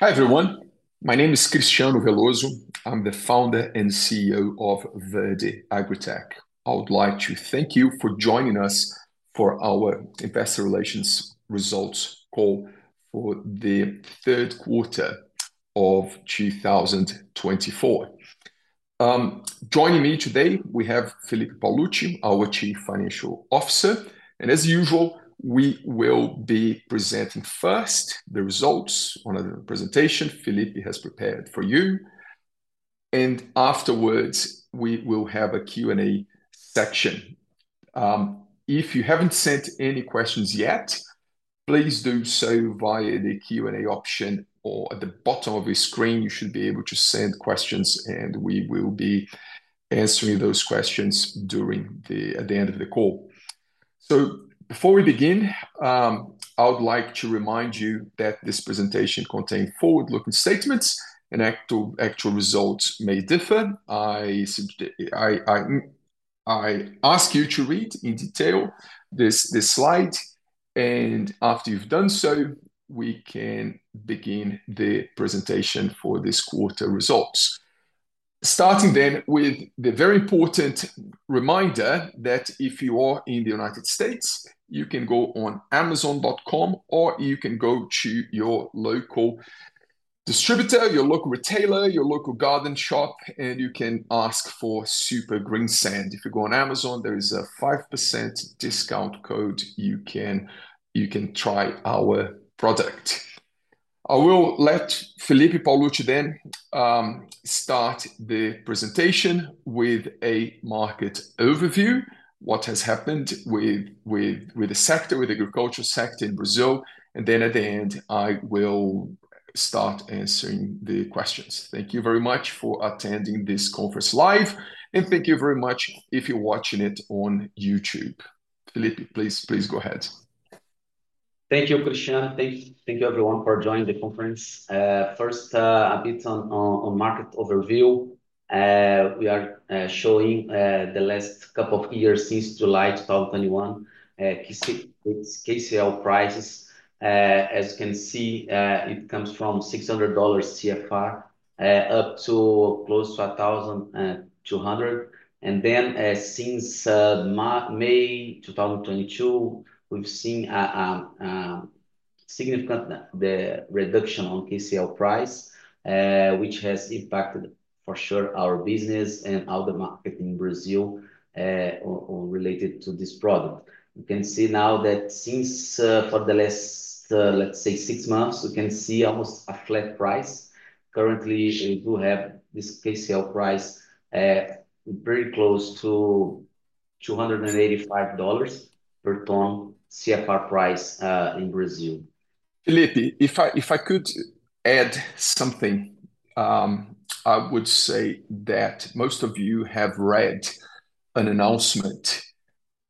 Hi everyone, my name is Cristiano Veloso. I'm the founder and CEO of Verde AgriTech. I would like to thank you for joining us for our Investor Relations Results Call for the third quarter of 2024. Joining me today, we have Felipe Paolucci, our Chief Financial Officer. And as usual, we will be presenting first the results on the presentation Felipe has prepared for you. And afterwards, we will have a Q&A section. If you haven't sent any questions yet, please do so via the Q&A option or at the bottom of your screen. You should be able to send questions, and we will be answering those questions during the end of the call. So before we begin, I would like to remind you that this presentation contains forward-looking statements, and actual results may differ. I ask you to read in detail this slide. And after you've done so, we can begin the presentation for this quarter results. Starting then with the very important reminder that if you are in the United States, you can go on Amazon.com or you can go to your local distributor, your local retailer, your local garden shop, and you can ask for Super Greensand. If you go on Amazon, there is a 5% discount code. You can try our product. I will let Felipe Paolucci then start the presentation with a market overview, what has happened with the sector, with the agriculture sector in Brazil, and then at the end, I will start answering the questions. Thank you very much for attending this conference live, and thank you very much if you're watching it on YouTube. Felipe, please go ahead. Thank you, Cristiano. Thank you, everyone, for joining the conference. First, a bit on market overview. We are showing the last couple of years since July 2021, KCL prices. As you can see, it comes from $600 CFR up to close to $1,200, and then since May 2022, we've seen a significant reduction in KCL price, which has impacted for sure our business and all the market in Brazil related to this product. You can see now that since for the last, let's say, six months, you can see almost a flat price. Currently, we do have this KCL price very close to $285 per ton CFR price in Brazil. Felipe, if I could add something, I would say that most of you have read an announcement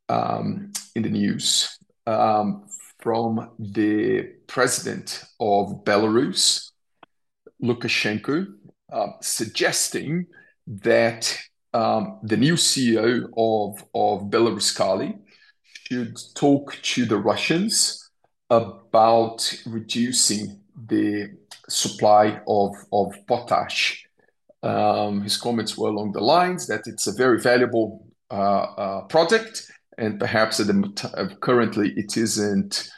in the news from the President of Belarus, Lukashenko, suggesting that the new CEO of Belaruskali should talk to the Russians about reducing the supply of potash. His comments were along the lines that it's a very valuable project, and perhaps currently it isn't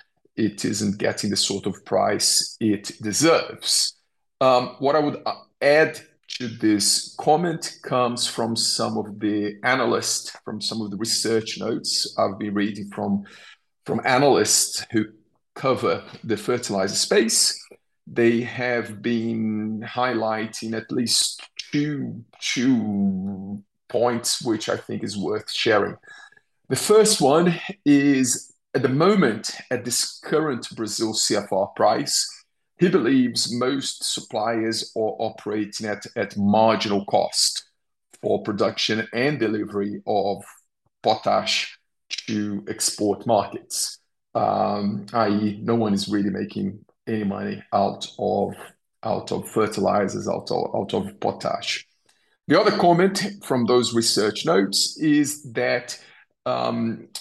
getting the sort of price it deserves. What I would add to this comment comes from some of the analysts, from some of the research notes I've been reading from analysts who cover the fertilizer space. They have been highlighting at least two points, which I think is worth sharing. The first one is, at the moment, at this current Brazil CFR price, he believes most suppliers are operating at marginal cost for production and delivery of potash to export markets, i.e., no one is really making any money out of fertilizers, out of potash. The other comment from those research notes is that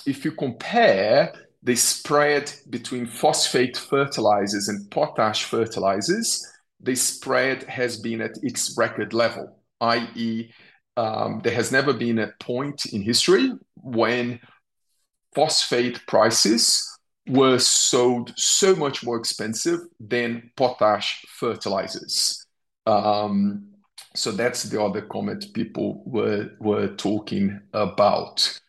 if you compare the spread between phosphate fertilizers and potash fertilizers, the spread has been at its record level, i.e., there has never been a point in history when phosphate prices were sold so much more expensive than potash fertilizers. So that's the other comment people were talking about.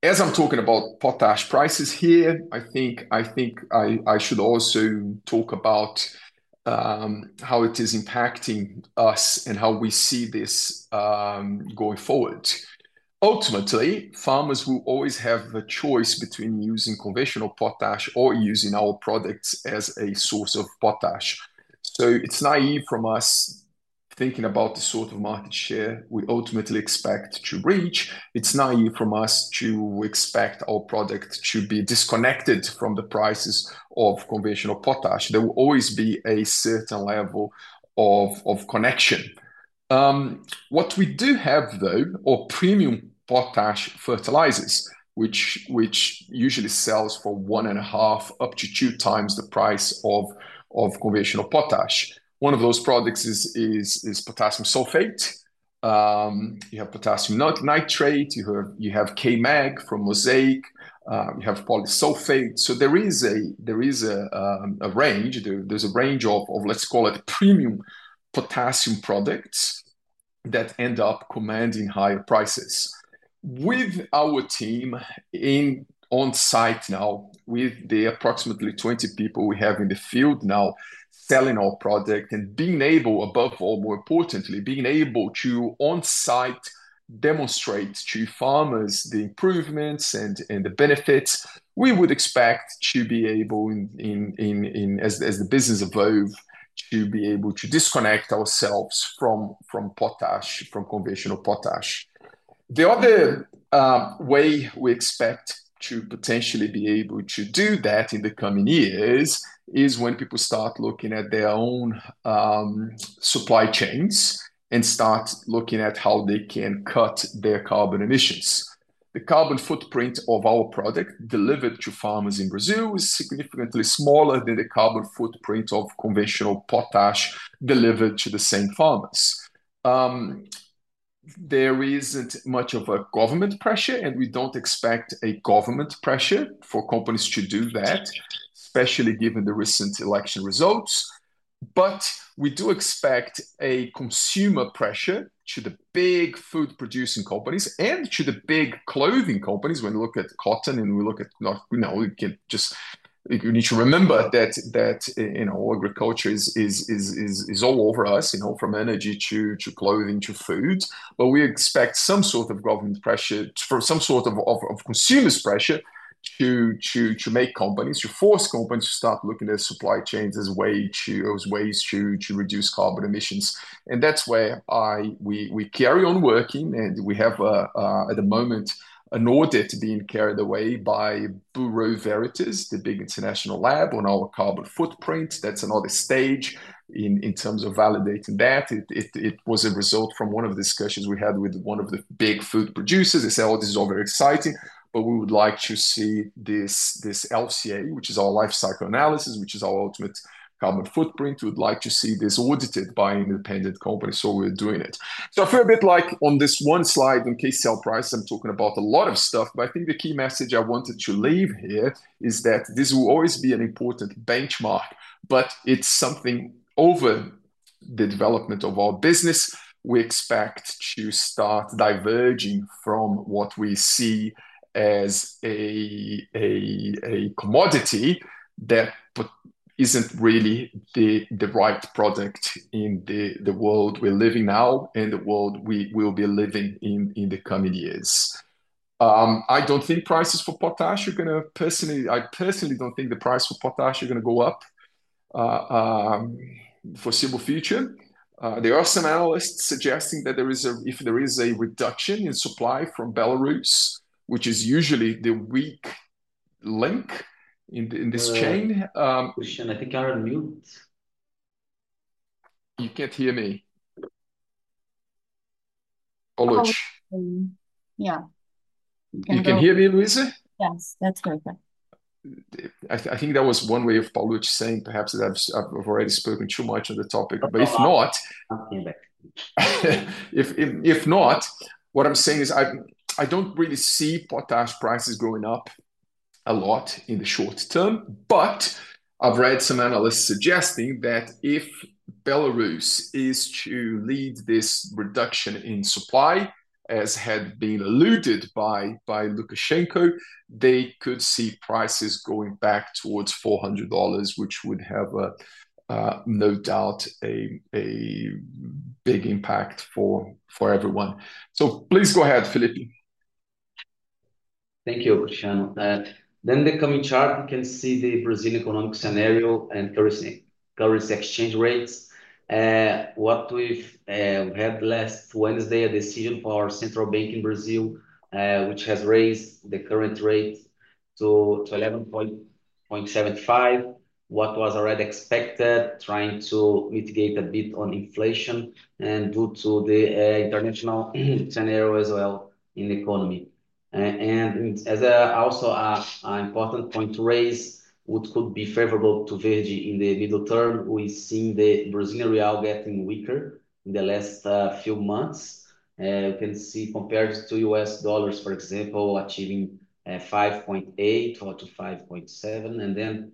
As I'm talking about potash prices here, I think I should also talk about how it is impacting us and how we see this going forward. Ultimately, farmers will always have the choice between using conventional potash or using our products as a source of potash. It's naive from us thinking about the sort of market share we ultimately expect to reach. It's naive from us to expect our product to be disconnected from the prices of conventional potash. There will always be a certain level of connection. What we do have, though, are premium potash fertilizers, which usually sell for one and a half up to two times the price of conventional potash. One of those products is potassium sulfate. You have potassium nitrate. You have K-Mag from Mosaic. You have Polysulphate. So there is a range. There's a range of, let's call it, premium potassium products that end up commanding higher prices. With our team on site now, with the approximately 20 people we have in the field now selling our product and being able, above all, more importantly, being able to on site demonstrate to farmers the improvements and the benefits, we would expect to be able, as the business evolves, to be able to disconnect ourselves from potash, from conventional potash. The other way we expect to potentially be able to do that in the coming years is when people start looking at their own supply chains and start looking at how they can cut their carbon emissions. The carbon footprint of our product delivered to farmers in Brazil is significantly smaller than the carbon footprint of conventional potash delivered to the same farmers. There isn't much of a government pressure, and we don't expect a government pressure for companies to do that, especially given the recent election results. But we do expect a consumer pressure to the big food-producing companies and to the big clothing companies. When we look at cotton, you know, we can just, you need to remember that agriculture is all over us, you know, from energy to clothing to food. But we expect some sort of government pressure, some sort of consumers' pressure to make companies, to force companies to start looking at supply chains as ways to reduce carbon emissions. And that's where we carry on working. And we have, at the moment, an audit being carried out by Bureau Veritas, the big international lab on our carbon footprint. That's another stage in terms of validating that. It was a result from one of the discussions we had with one of the big food producers. They said, "Oh, this is all very exciting, but we would like to see this LCA, which is our life cycle analysis, which is our ultimate carbon footprint. We'd like to see this audited by an independent company." So we're doing it. So I feel a bit like on this one slide on KCL price, I'm talking about a lot of stuff, but I think the key message I wanted to leave here is that this will always be an important benchmark, but it's something over the development of our business. We expect to start diverging from what we see as a commodity that isn't really the right product in the world we're living now and the world we will be living in the coming years. I personally don't think the price for potash are going to go up for the foreseeable future. There are some analysts suggesting that if there is a reduction in supply from Belarus, which is usually the weak link in this chain. Cristiano, I think you're on mute. You can't hear me. Yeah. You can hear me, Luisa? Yes, that's perfect. I think that was one way of Paolucci saying perhaps that I've already spoken too much on the topic, but if not, if not, what I'm saying is I don't really see potash prices going up a lot in the short term, but I've read some analysts suggesting that if Belarus is to lead this reduction in supply, as had been alluded by Lukashenko, they could see prices going back towards $400, which would have, no doubt, a big impact for everyone. So please go ahead, Felipe. Thank you, Cristiano, for that. Then the coming chart, you can see the Brazilian economic scenario and currency exchange rates. What we've had last Wednesday, a decision for our central bank in Brazil, which has raised the current rate to 11.75, what was already expected, trying to mitigate a bit on inflation and due to the international scenario as well in the economy. And as also an important point to raise, what could be favorable to Verde in the middle term, we've seen the Brazilian real getting weaker in the last few months. You can see compared to US dollars, for example, achieving 5.8 or to 5.7. And then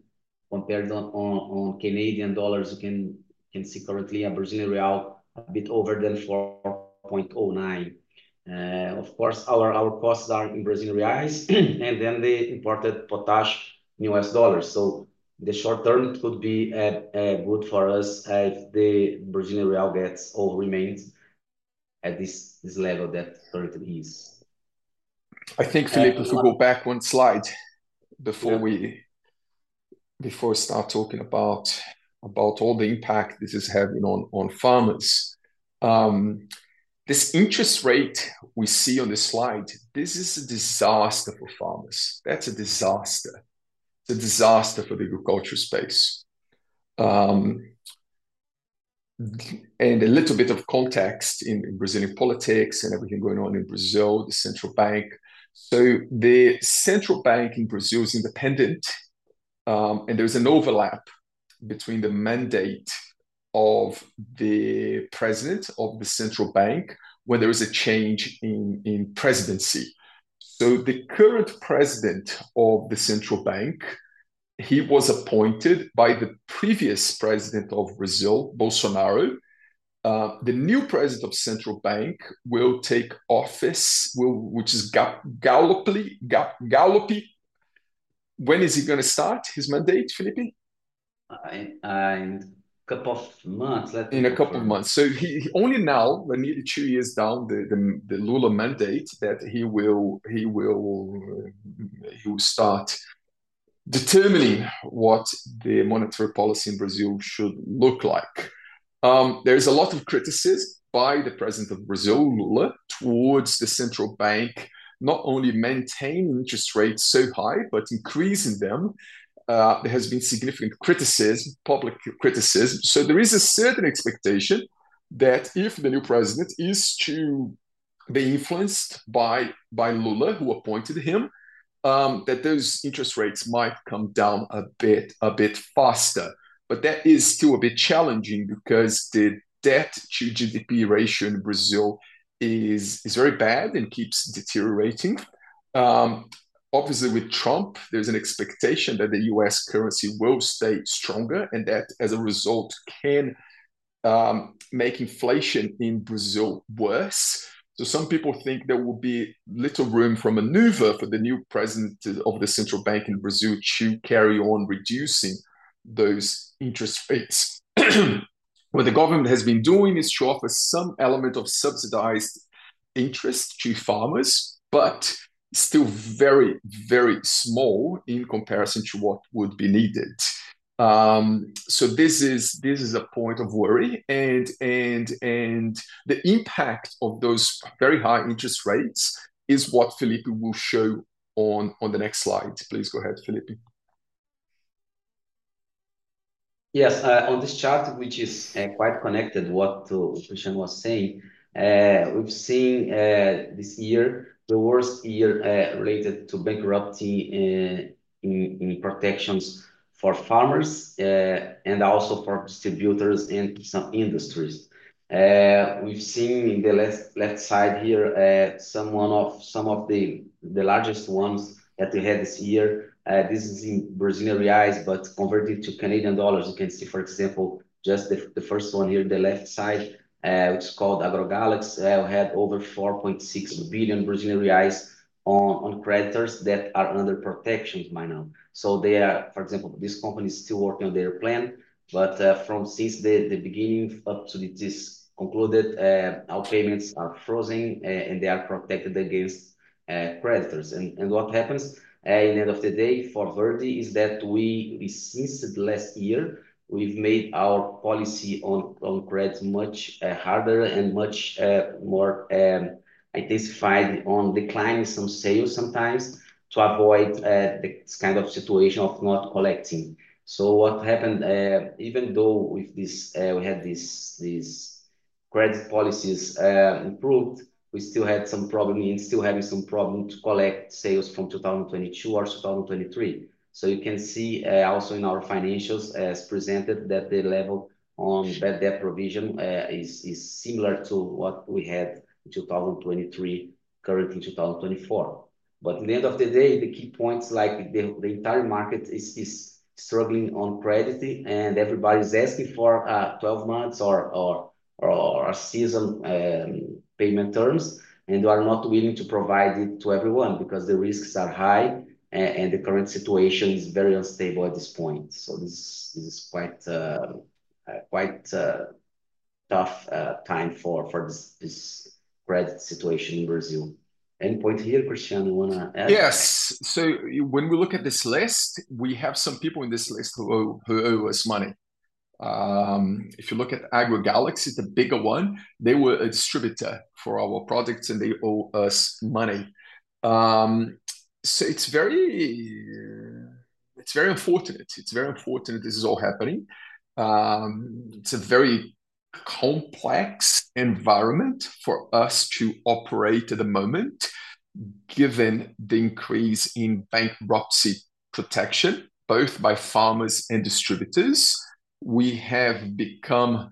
compared on Canadian dollars, you can see currently a Brazilian real a bit over than 4.09. Of course, our costs are in Brazilian reais, and then the imported potash in US dollars. So in the short term, it could be good for us if the Brazilian real gets or remains at this level that currently is. I think, Felipe, if we go back one slide before we start talking about all the impact this is having on farmers, this interest rate we see on this slide, this is a disaster for farmers. That's a disaster. It's a disaster for the agriculture space. A little bit of context in Brazilian politics and everything going on in Brazil, the central bank. The central bank in Brazil is independent, and there's an overlap between the mandate of the President of the Central Bank when there is a change in presidency. The current president of the central bank, he was appointed by the previous President of Brazil, Bolsonaro. The new President of the Central Bank will take office, which is Galípolo. When is he going to start his mandate, Felipe? In a couple of months. In a couple of months, so only now, when he's two years down the Lula mandate, that he will start determining what the monetary policy in Brazil should look like. There is a lot of criticism by the president of Brazil, Lula, towards the central bank, not only maintaining interest rates so high, but increasing them. There has been significant criticism, public criticism, so there is a certain expectation that if the new president is to be influenced by Lula, who appointed him, that those interest rates might come down a bit faster. But that is still a bit challenging because the debt to GDP ratio in Brazil is very bad and keeps deteriorating. Obviously, with Trump, there's an expectation that the U.S. currency will stay stronger and that as a result can make inflation in Brazil worse. So some people think there will be little room for maneuver for the new president of the central bank in Brazil to carry on reducing those interest rates. What the government has been doing is to offer some element of subsidized interest to farmers, but still very, very small in comparison to what would be needed. So this is a point of worry. And the impact of those very high interest rates is what Felipe will show on the next slide. Please go ahead, Felipe. Yes, on this chart, which is quite connected to what Cristiano was saying, we've seen this year the worst year related to bankruptcy protections for farmers and also for distributors and some industries. We've seen in the left side here some of the largest ones that we had this year. This is in Brazilian reais, but converted to Canadian dollars. You can see, for example, just the first one here on the left side, which is called AgroGalaxy, had over 4.6 billion Brazilian reais on creditors that are under protection right now. So they are, for example, this company is still working on their plan, but since the beginning up to this concluded, our payments are frozen and they are protected against creditors. What happens at the end of the day for Verde is that since the last year, we've made our policy on credits much harder and much more intensified on declining some sales sometimes to avoid this kind of situation of not collecting. What happened, even though we had these credit policies improved, we still had some problem in still having to collect sales from 2022 or 2023. You can see also in our financials as presented that the level on bad debt provision is similar to what we had in 2023, currently in 2024. But at the end of the day, the key points like the entire market is struggling on credit and everybody's asking for 12 months or season payment terms and they are not willing to provide it to everyone because the risks are high and the current situation is very unstable at this point. So this is quite a tough time for this credit situation in Brazil. Any point here, Cristiano, you want to add? Yes. So when we look at this list, we have some people in this list who owe us money. If you look at AgroGalaxy, the bigger one, they were a distributor for our products and they owe us money. So it's very unfortunate. It's very unfortunate this is all happening. It's a very complex environment for us to operate at the moment given the increase in bankruptcy protection, both by farmers and distributors. We have become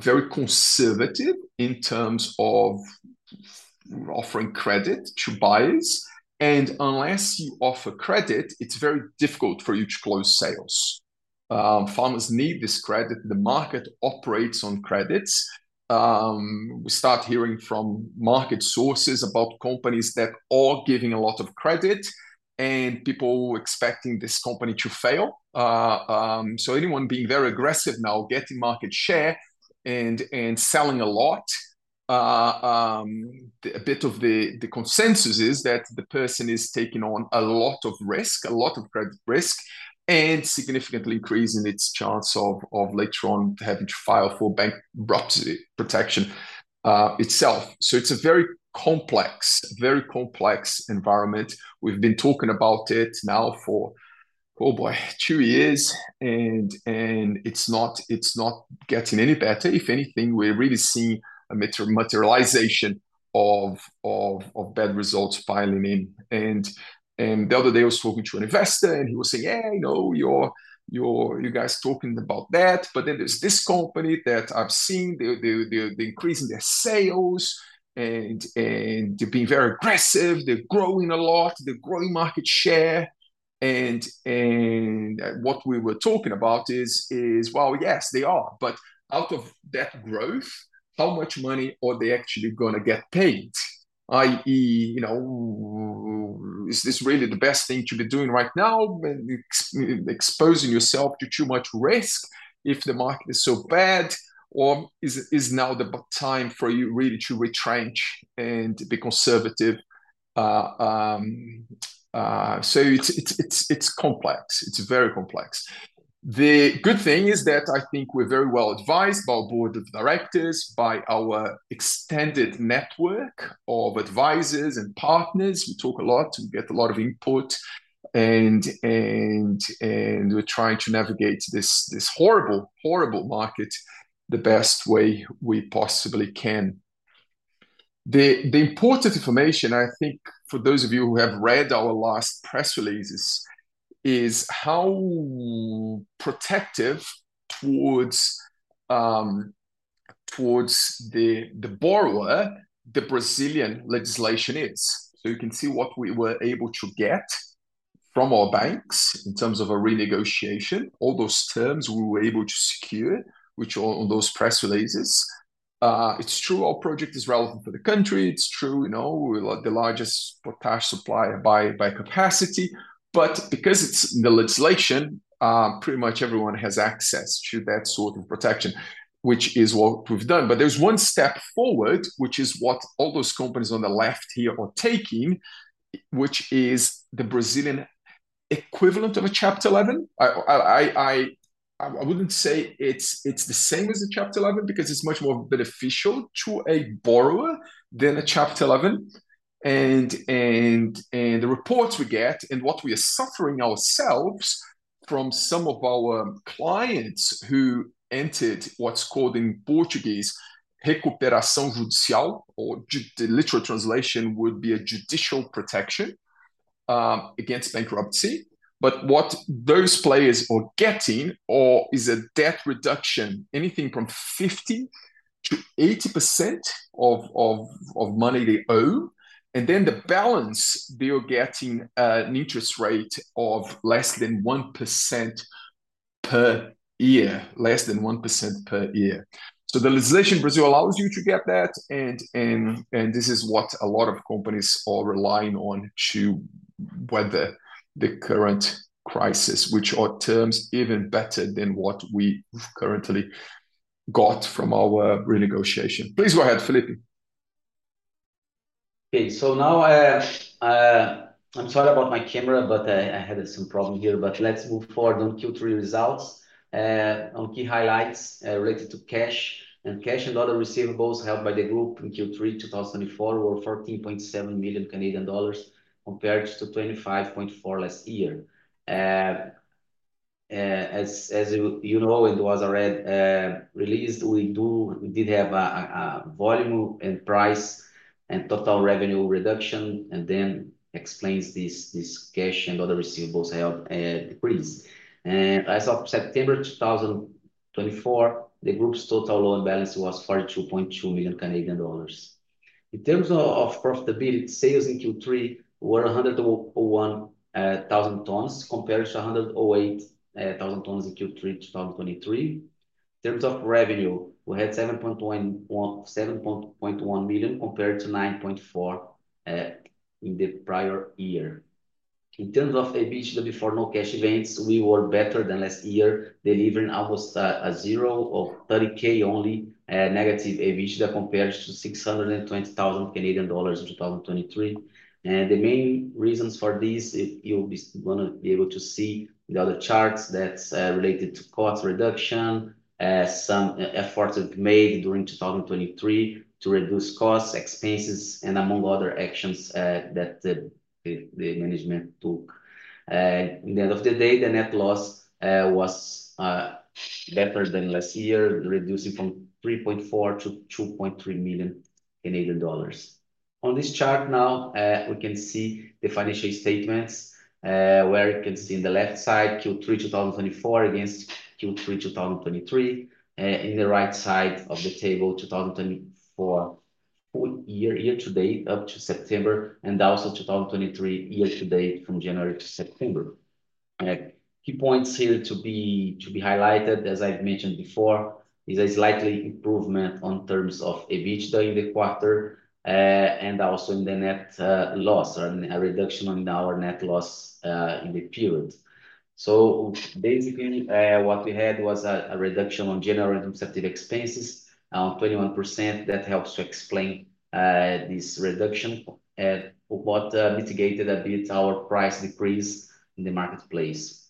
very conservative in terms of offering credit to buyers, and unless you offer credit, it's very difficult for you to close sales. Farmers need this credit. The market operates on credits. We start hearing from market sources about companies that are giving a lot of credit and people expecting this company to fail. So anyone being very aggressive now, getting market share and selling a lot, a bit of the consensus is that the person is taking on a lot of risk, a lot of credit risk, and significantly increasing its chance of later on having to file for bankruptcy protection itself. So it's a very complex, very complex environment. We've been talking about it now for, oh boy, two years, and it's not getting any better. If anything, we're really seeing a materialization of bad results piling in. The other day I was talking to an investor and he was saying, "Yeah, you know, you guys talking about that, but then there's this company that I've seen, they're increasing their sales and they're being very aggressive, they're growing a lot, they're growing market share." What we were talking about is, well, yes, they are, but out of that growth, how much money are they actually going to get paid? I.e., is this really the best thing to be doing right now, exposing yourself to too much risk if the market is so bad, or is now the time for you really to retrench and be conservative? It's complex. It's very complex. The good thing is that I think we're very well advised by our board of directors, by our extended network of advisors and partners. We talk a lot, we get a lot of input, and we're trying to navigate this horrible, horrible market the best way we possibly can. The important information, I think for those of you who have read our last press releases, is how protective towards the borrower the Brazilian legislation is. So you can see what we were able to get from our banks in terms of a renegotiation, all those terms we were able to secure, which are on those press releases. It's true our project is relevant for the country. It's true, you know, we're the largest potash supplier by capacity. But because it's in the legislation, pretty much everyone has access to that sort of protection, which is what we've done. But there's one step forward, which is what all those companies on the left here are taking, which is the Brazilian equivalent of a Chapter 11. I wouldn't say it's the same as a Chapter 11 because it's much more beneficial to a borrower than a Chapter 11. And the reports we get and what we are suffering ourselves from some of our clients who entered what's called in Portuguese Recuperação Judicial, or the literal translation would be a judicial protection against bankruptcy. But what those players are getting is a debt reduction, anything from 50%-80% of money they owe, and then the balance they are getting an interest rate of less than 1% per year, less than 1% per year. So the legislation in Brazil allows you to get that, and this is what a lot of companies are relying on to weather the current crisis, which are terms even better than what we've currently got from our renegotiation. Please go ahead, Felipe. Okay, so now I'm sorry about my camera, but I had some problems here, but let's move forward on Q3 results. On key highlights related to cash and other receivables held by the group in Q3 2024 were 14.7 million Canadian dollars compared to 25.4 million last year. As you know, it was already released. We did have a volume and price and total revenue reduction, and then explains this cash and other receivables held decrease. As of September 2024, the group's total loan balance was 42.2 million Canadian dollars. In terms of profitability, sales in Q3 were 101,000 tons compared to 108,000 tons in Q3 2023. In terms of revenue, we had 7.1 million compared to 9.4 million in the prior year. In terms of EBITDA before non-cash events, we were better than last year, delivering almost zero, or 30,000 only negative EBITDA compared to 620,000 Canadian dollars in 2023. The main reasons for this, you'll be going to be able to see in the other charts that are related to cost reduction, some efforts we've made during 2023 to reduce costs, expenses, and among other actions that the management took. At the end of the day, the net loss was better than last year, reducing from 3.4 million to 2.3 million Canadian dollars. On this chart now, we can see the financial statements where you can see on the left side Q3 2024 against Q3 2023, and in the right side of the table, 2024 year to date up to September, and also 2023 year to date from January-September. Key points here to be highlighted, as I've mentioned before, is a slight improvement in terms of EBITDA in the quarter and also in the net loss or a reduction in our net loss in the period. So basically, what we had was a reduction in general and administrative expenses of 21%. That helps to explain this reduction and what mitigated a bit our price decrease in the marketplace.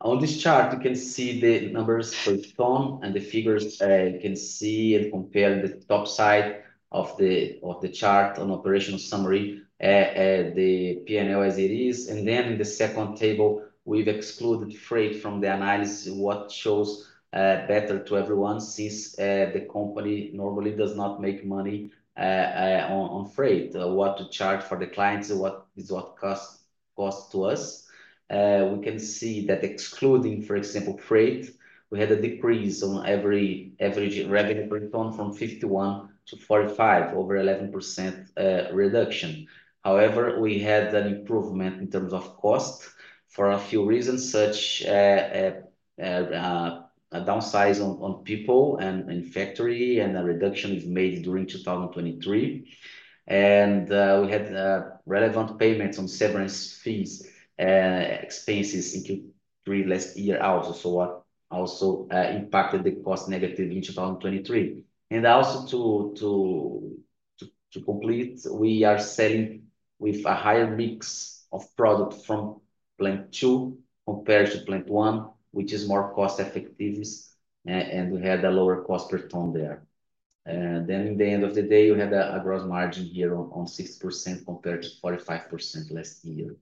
On this chart, you can see the numbers per ton and the figures you can see and compare the top side of the chart on operational summary, the P&L as it is. And then in the second table, we've excluded freight from the analysis, what shows better to everyone since the company normally does not make money on freight, what to charge for the clients, what is what costs to us. We can see that excluding, for example, freight, we had a decrease in average revenue per ton from 51 to 45, over 11% reduction. However, we had an improvement in terms of cost for a few reasons, such as a downsize on people and in factory and a reduction we've made during 2023. And we had relevant payments on severance fees, expenses in Q3 last year also, so what also impacted the cost negative in 2023. And also to complete, we are selling with a higher mix of product from plant two compared to plant one, which is more cost effectiveness, and we had a lower cost per ton there. And then in the end of the day, we had a gross margin here on 6% compared to 45% last year.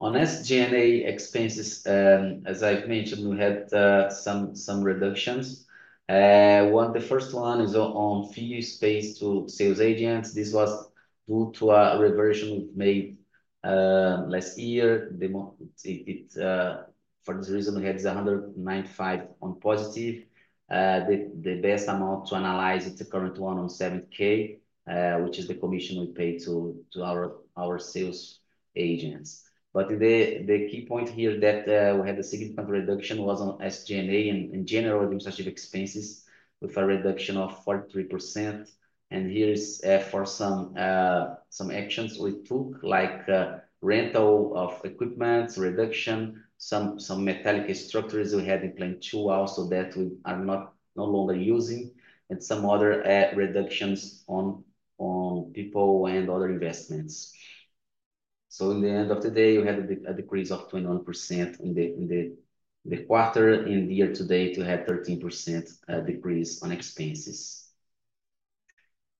On SG&A expenses, as I've mentioned, we had some reductions. The first one is on fees paid to sales agents. This was due to a provision we've made last year. For this reason, we had 195 on positive. The best amount to analyze is the current one on 7K, which is the commission we pay to our sales agents, but the key point here that we had a significant reduction was on SG&A and general administrative expenses with a reduction of 43%, and here are some actions we took, like reduction in rental of equipment, some metallic structures we had in plant two also that we are no longer using, and some other reductions on people and other investments, so at the end of the day, we had a decrease of 21% in the quarter. In the year to date, we had a 13% decrease on expenses.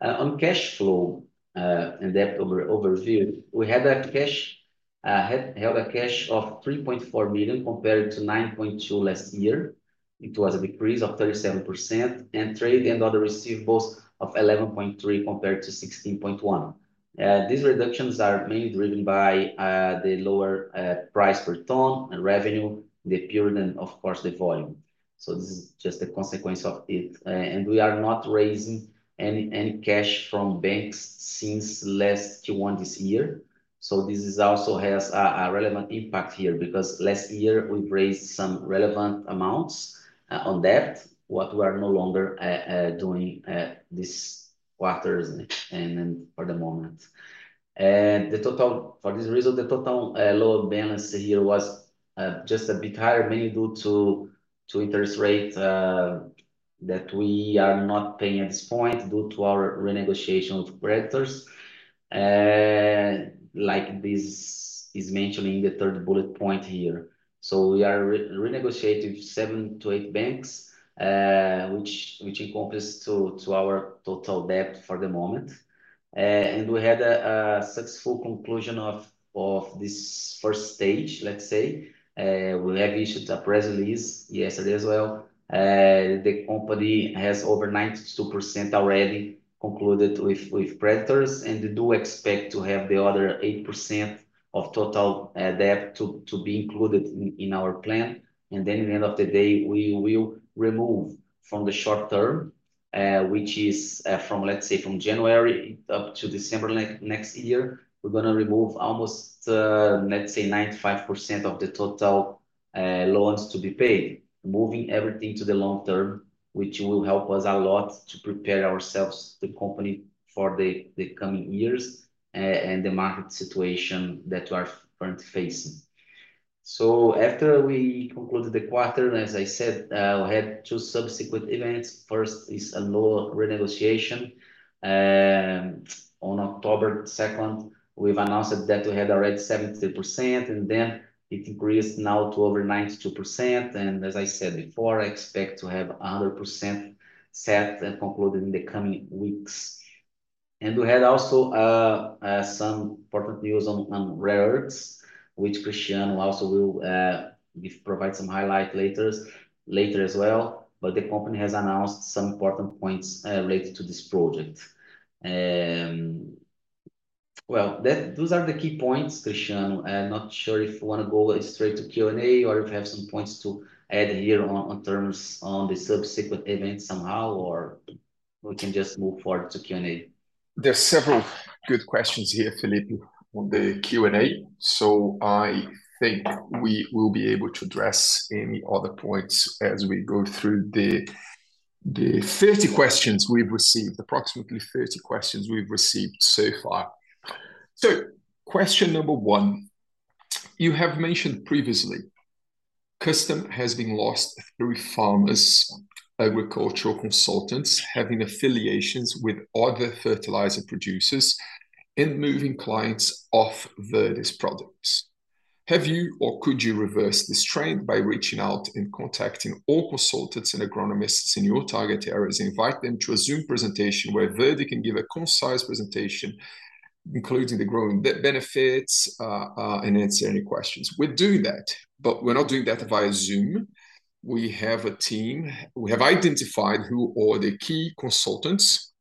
On cash flow and debt overview, we had cash held of $3.4 million compared to $9.2 million last year. It was a decrease of 37% and trade and other receivables of $11.3 million compared to $16.1 million. These reductions are mainly driven by the lower price per ton and revenue in the period, and of course, the volume, so this is just a consequence of it, and we are not raising any cash from banks since last Q1 this year. So this also has a relevant impact here because last year we've raised some relevant amounts on debt, what we are no longer doing this quarter and for the moment. For this reason, the total loan balance here was just a bit higher, mainly due to interest rates that we are not paying at this point due to our renegotiation with creditors, like this is mentioned in the third bullet point here. We are renegotiating seven to eight banks, which encompasses our total debt for the moment. We had a successful conclusion of this first stage, let's say. We have issued a press release yesterday as well. The company has over 92% already concluded with creditors, and we do expect to have the other 8% of total debt to be included in our plan. And then in the end of the day, we will remove from the short term, which is from, let's say, from January up to December next year, we're going to remove almost, let's say, 95% of the total loans to be paid, moving everything to the long term, which will help us a lot to prepare ourselves, the company, for the coming years and the market situation that we are currently facing. So after we concluded the quarter, as I said, we had two subsequent events. First is a loan renegotiation. On October 2nd, we've announced that we had already 73%, and then it increased now to over 92%. And as I said before, I expect to have 100% set and concluded in the coming weeks. And we had also some important news on rare earths, which Cristiano also will provide some highlights later as well. The company has announced some important points related to this project. Well, those are the key points, Cristiano. I'm not sure if you want to go straight to Q&A or if you have some points to add here in terms of the subsequent events somehow, or we can just move forward to Q&A. There's several good questions here, Felipe, on the Q&A. So I think we will be able to address any other points as we go through the 30 questions we've received, approximately 30 questions we've received so far. So question number one. You have mentioned previously customers have been lost through farmers, agricultural consultants having affiliations with other fertilizer producers and moving clients off Verde's products. Have you or could you reverse this trend by reaching out and contacting all consultants and agronomists in your target areas and invite them to a Zoom presentation where Verde can give a concise presentation, including the growing yield benefits, and answer any questions? We're doing that, but we're not doing that via Zoom. We have a team. We have identified who are the key consultants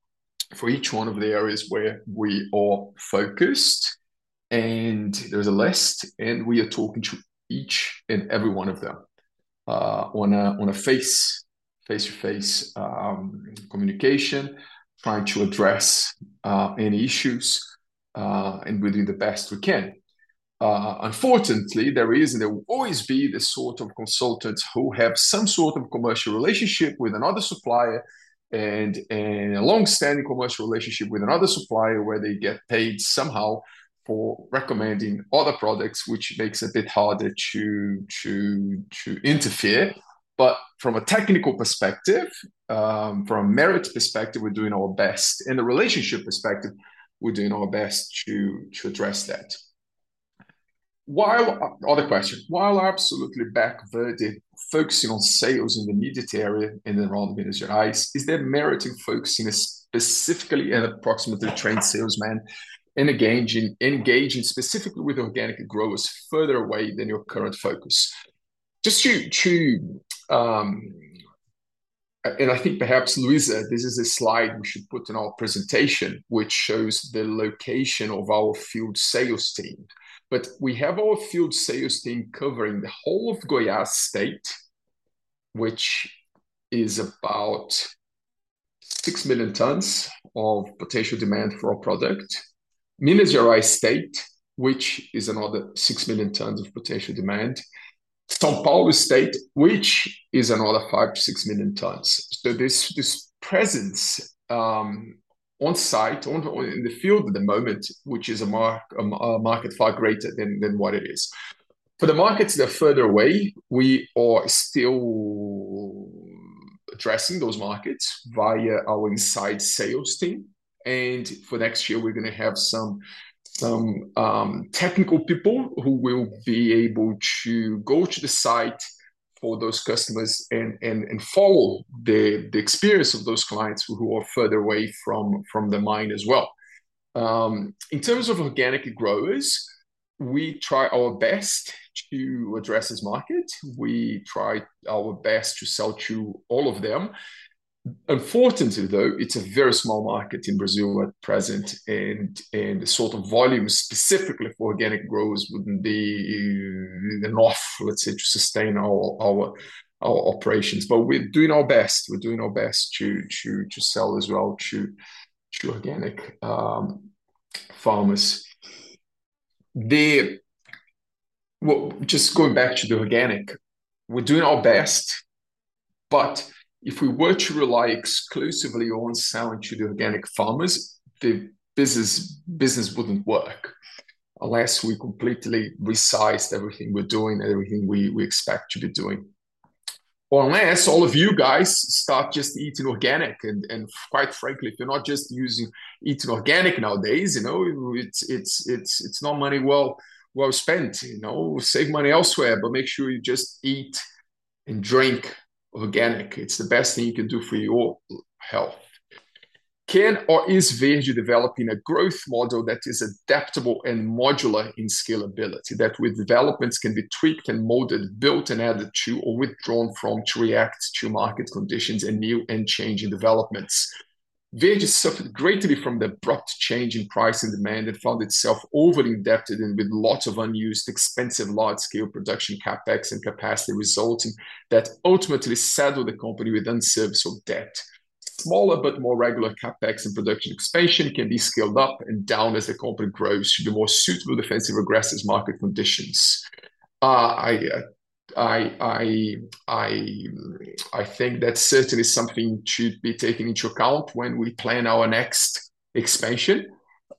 for each one of the areas where we are focused. There's a list, and we are talking to each and every one of them on a face-to-face communication, trying to address any issues and we'll do the best we can. Unfortunately, there is and there will always be the sort of consultants who have some sort of commercial relationship with another supplier and a long-standing commercial relationship with another supplier where they get paid somehow for recommending other products, which makes it a bit harder to interfere. But from a technical perspective, from a merit perspective, we're doing our best. From the relationship perspective, we're doing our best to address that. Another question: while Verde focusing on sales in the immediate area in the northern Minas Gerais, is there merit in focusing specifically on an appropriately trained salesman and engaging specifically with organic growers further away than your current focus? I think perhaps Luisa, this is a slide we should put in our presentation, which shows the location of our field sales team. But we have our field sales team covering the whole of Goiás State, which is about six million tons of potential demand for our product. Minas Gerais State, which is another six million tons of potential demand. São Paulo State, which is another five to six million tons. So this presence on site, in the field at the moment, which is a market far greater than what it is. For the markets that are further away, we are still addressing those markets via our inside sales team. And for next year, we're going to have some technical people who will be able to go to the site for those customers and follow the experience of those clients who are further away from the mine as well. In terms of organic growers, we try our best to address this market. We try our best to sell to all of them. Unfortunately, though, it's a very small market in Brazil at present, and the sort of volume specifically for organic growers wouldn't be enough, let's say, to sustain our operations, but we're doing our best. We're doing our best to sell as well to organic farmers. Just going back to the organic, we're doing our best, but if we were to rely exclusively on selling to the organic farmers, the business wouldn't work unless we completely resized everything we're doing and everything we expect to be doing. Unless all of you guys start just eating organic, and quite frankly, if you're not just eating organic nowadays, it's not money well spent, save money elsewhere, but make sure you just eat and drink organic. It's the best thing you can do for your health. Can or is Verde developing a growth model that is adaptable and modular in scalability, that with developments can be tweaked and modeled, built and added to or withdrawn from to react to market conditions and new and changing developments? Verde suffered greatly from the abrupt change in price and demand and found itself overly indebted and with lots of unused expensive large-scale production CapEx and capacity resulting that ultimately saddled the company with unserviceable debt. Smaller but more regular CapEx and production expansion can be scaled up and down as the company grows to be more suitable defensive aggressive market conditions. I think that's certainly something to be taken into account when we plan our next expansion.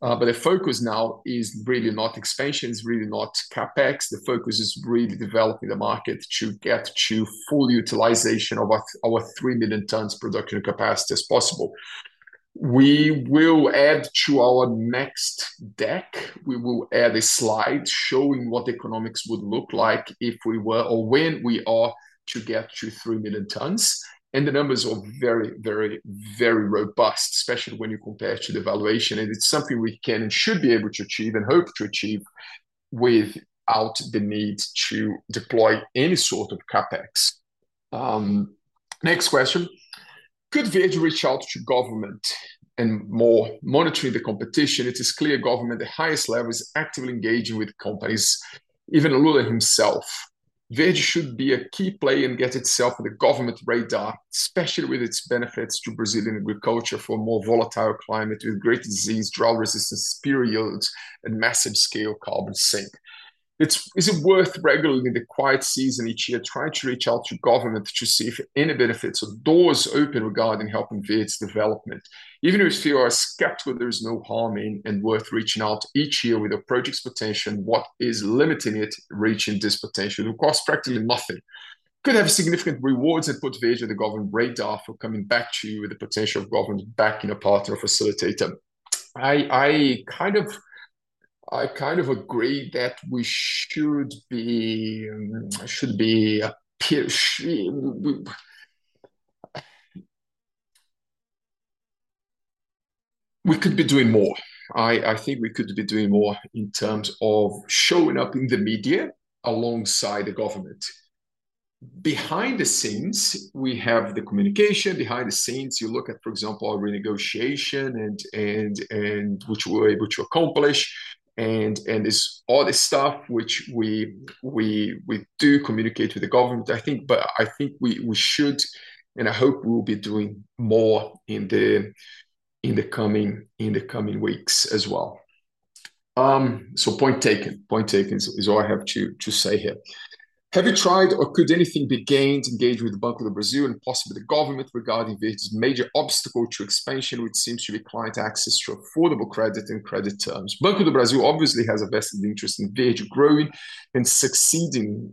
The focus now is really not expansion, is really not CapEx. The focus is really developing the market to get to full utilization of our three million tons production capacity as possible. We will add to our next deck, we will add a slide showing what economics would look like if we were or when we are to get to three million tons. And the numbers are very, very, very robust, especially when you compare it to the valuation. And it's something we can and should be able to achieve and hope to achieve without the need to deploy any sort of CapEx. Next question, could Verde reach out to government and more monitoring the competition? It is clear government at the highest level is actively engaging with companies, even Lula himself. Verde should be a key player and get itself on the government radar, especially with its benefits to Brazilian agriculture for a more volatile climate with great disease, drought resistance, superior yields, and massive scale carbon sink. Is it worth regularly in the quiet season each year trying to reach out to government to see if any benefits or doors open regarding helping Verde's development? Even if you are skeptical, there is no harm in and worth reaching out each year with a project's potential and what is limiting it, reaching this potential. It will cost practically nothing. Could have significant rewards and put Verde on the government radar for coming back to you with the potential of government backing a partner or facilitator. I kind of agree that we should be doing more. I think we could be doing more in terms of showing up in the media alongside the government. Behind the scenes, we have the communication. Behind the scenes, you look at, for example, our renegotiation, which we were able to accomplish, and all this stuff which we do communicate with the government, I think. But I think we should, and I hope we'll be doing more in the coming weeks as well. So point taken. Point taken is all I have to say here. Have you tried or could anything be gained to engage with Banco do Brasil and possibly the government regarding Verde's major obstacle to expansion, which seems to be client access to affordable credit and credit terms? Banco do Brasil obviously has a vested interest in Verde growing and succeeding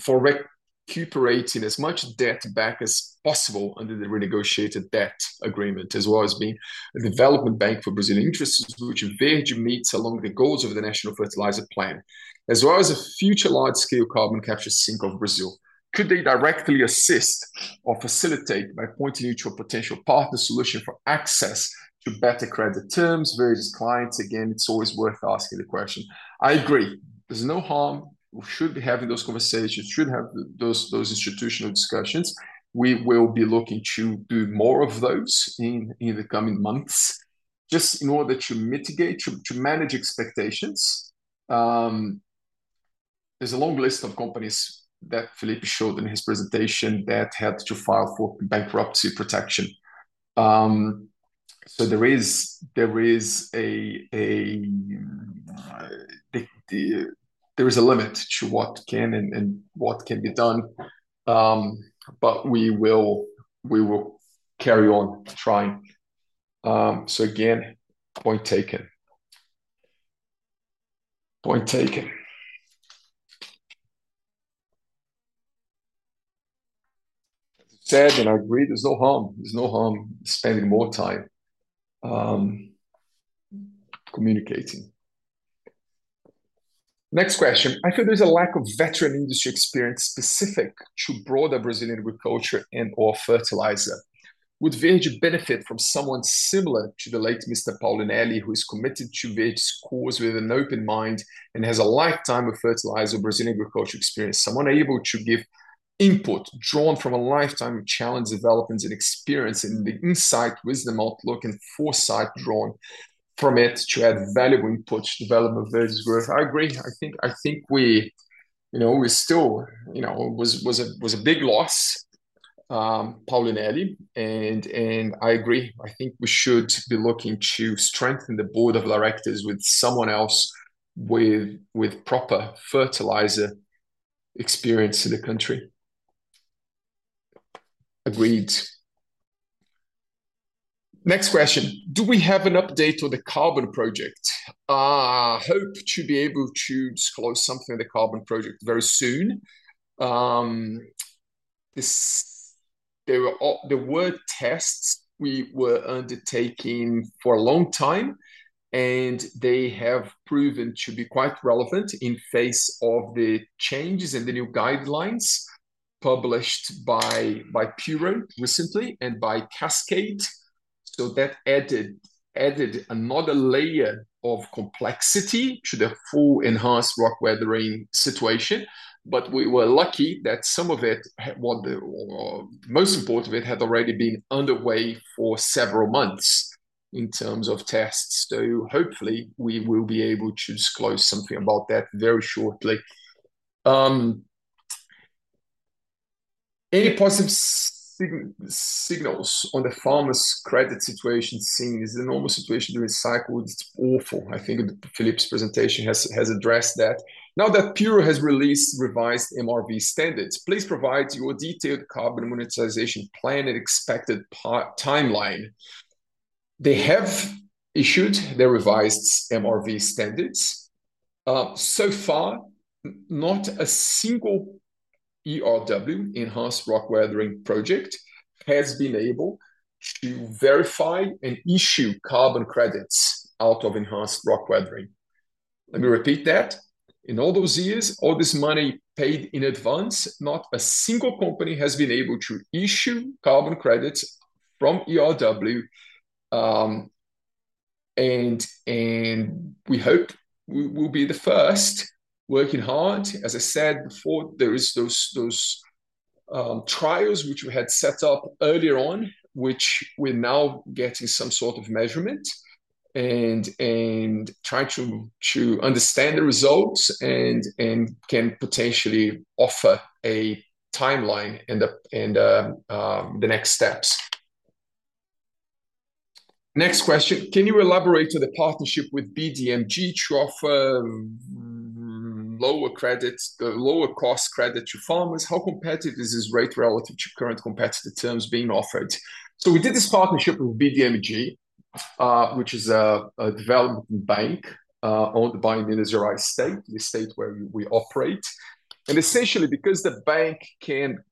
for recuperating as much debt back as possible under the renegotiated debt agreement, as well as being a development bank for Brazilian interests, which Verde meets along the goals of the National Fertilizer Plan, as well as a future large-scale carbon capture sink of Brazil. Could they directly assist or facilitate by pointing you to a potential partner solution for access to better credit terms, Verde's clients? Again, it's always worth asking the question. I agree. There's no harm. We should be having those conversations, should have those institutional discussions. We will be looking to do more of those in the coming months, just in order to mitigate, to manage expectations. There's a long list of companies that Felipe showed in his presentation that had to file for bankruptcy protection. There is a limit to what can and what can be done, but we will carry on trying. So again, point taken. Point taken. As I said, and I agree, there's no harm. There's no harm spending more time communicating. Next question. I feel there's a lack of veteran industry experience specific to broader Brazilian agriculture and/or fertilizer. Would Verde benefit from someone similar to the late Mr. Paolinelli, who is committed to Verde's cause with an open mind and has a lifetime of fertilizer Brazilian agriculture experience, someone able to give input drawn from a lifetime of challenge developments and experience and the insight, wisdom, outlook, and foresight drawn from it to add valuable input to development of Verde's growth? I agree. I think we still was a big loss, Paolinelli. And I agree. I think we should be looking to strengthen the board of directors with someone else with proper fertilizer experience in the country. Agreed. Next question. Do we have an update on the carbon project? I hope to be able to disclose something on the carbon project very soon. There were tests we were undertaking for a long time, and they have proven to be quite relevant in face of the changes and the new guidelines published by Puro recently and by Cascade. So that added another layer of complexity to the full enhanced rock weathering situation. But we were lucky that some of it, most important of it, had already been underway for several months in terms of tests. So hopefully, we will be able to disclose something about that very shortly. Any positive signals on the farmers' credit situation? Is this the normal situation during cycles? It's awful. I think Felipe's presentation has addressed that. Now that Puro has released revised MRV standards, please provide your detailed carbon monetization plan and expected timeline. They have issued their revised MRV standards. So far, not a single ERW, enhanced rock weathering project, has been able to verify and issue carbon credits out of enhanced rock weathering. Let me repeat that. In all those years, all this money paid in advance, not a single company has been able to issue carbon credits from ERW, and we hope we will be the first working hard. As I said before, there are those trials which we had set up earlier on, which we're now getting some sort of measurement and trying to understand the results and can potentially offer a timeline and the next steps. Next question. Can you elaborate on the partnership with BDMG to offer lower cost credit to farmers? How competitive is this rate relative to current competitive terms being offered? We did this partnership with BDMG, which is a development bank owned by Minas Gerais state, the state where we operate. Essentially, because the bank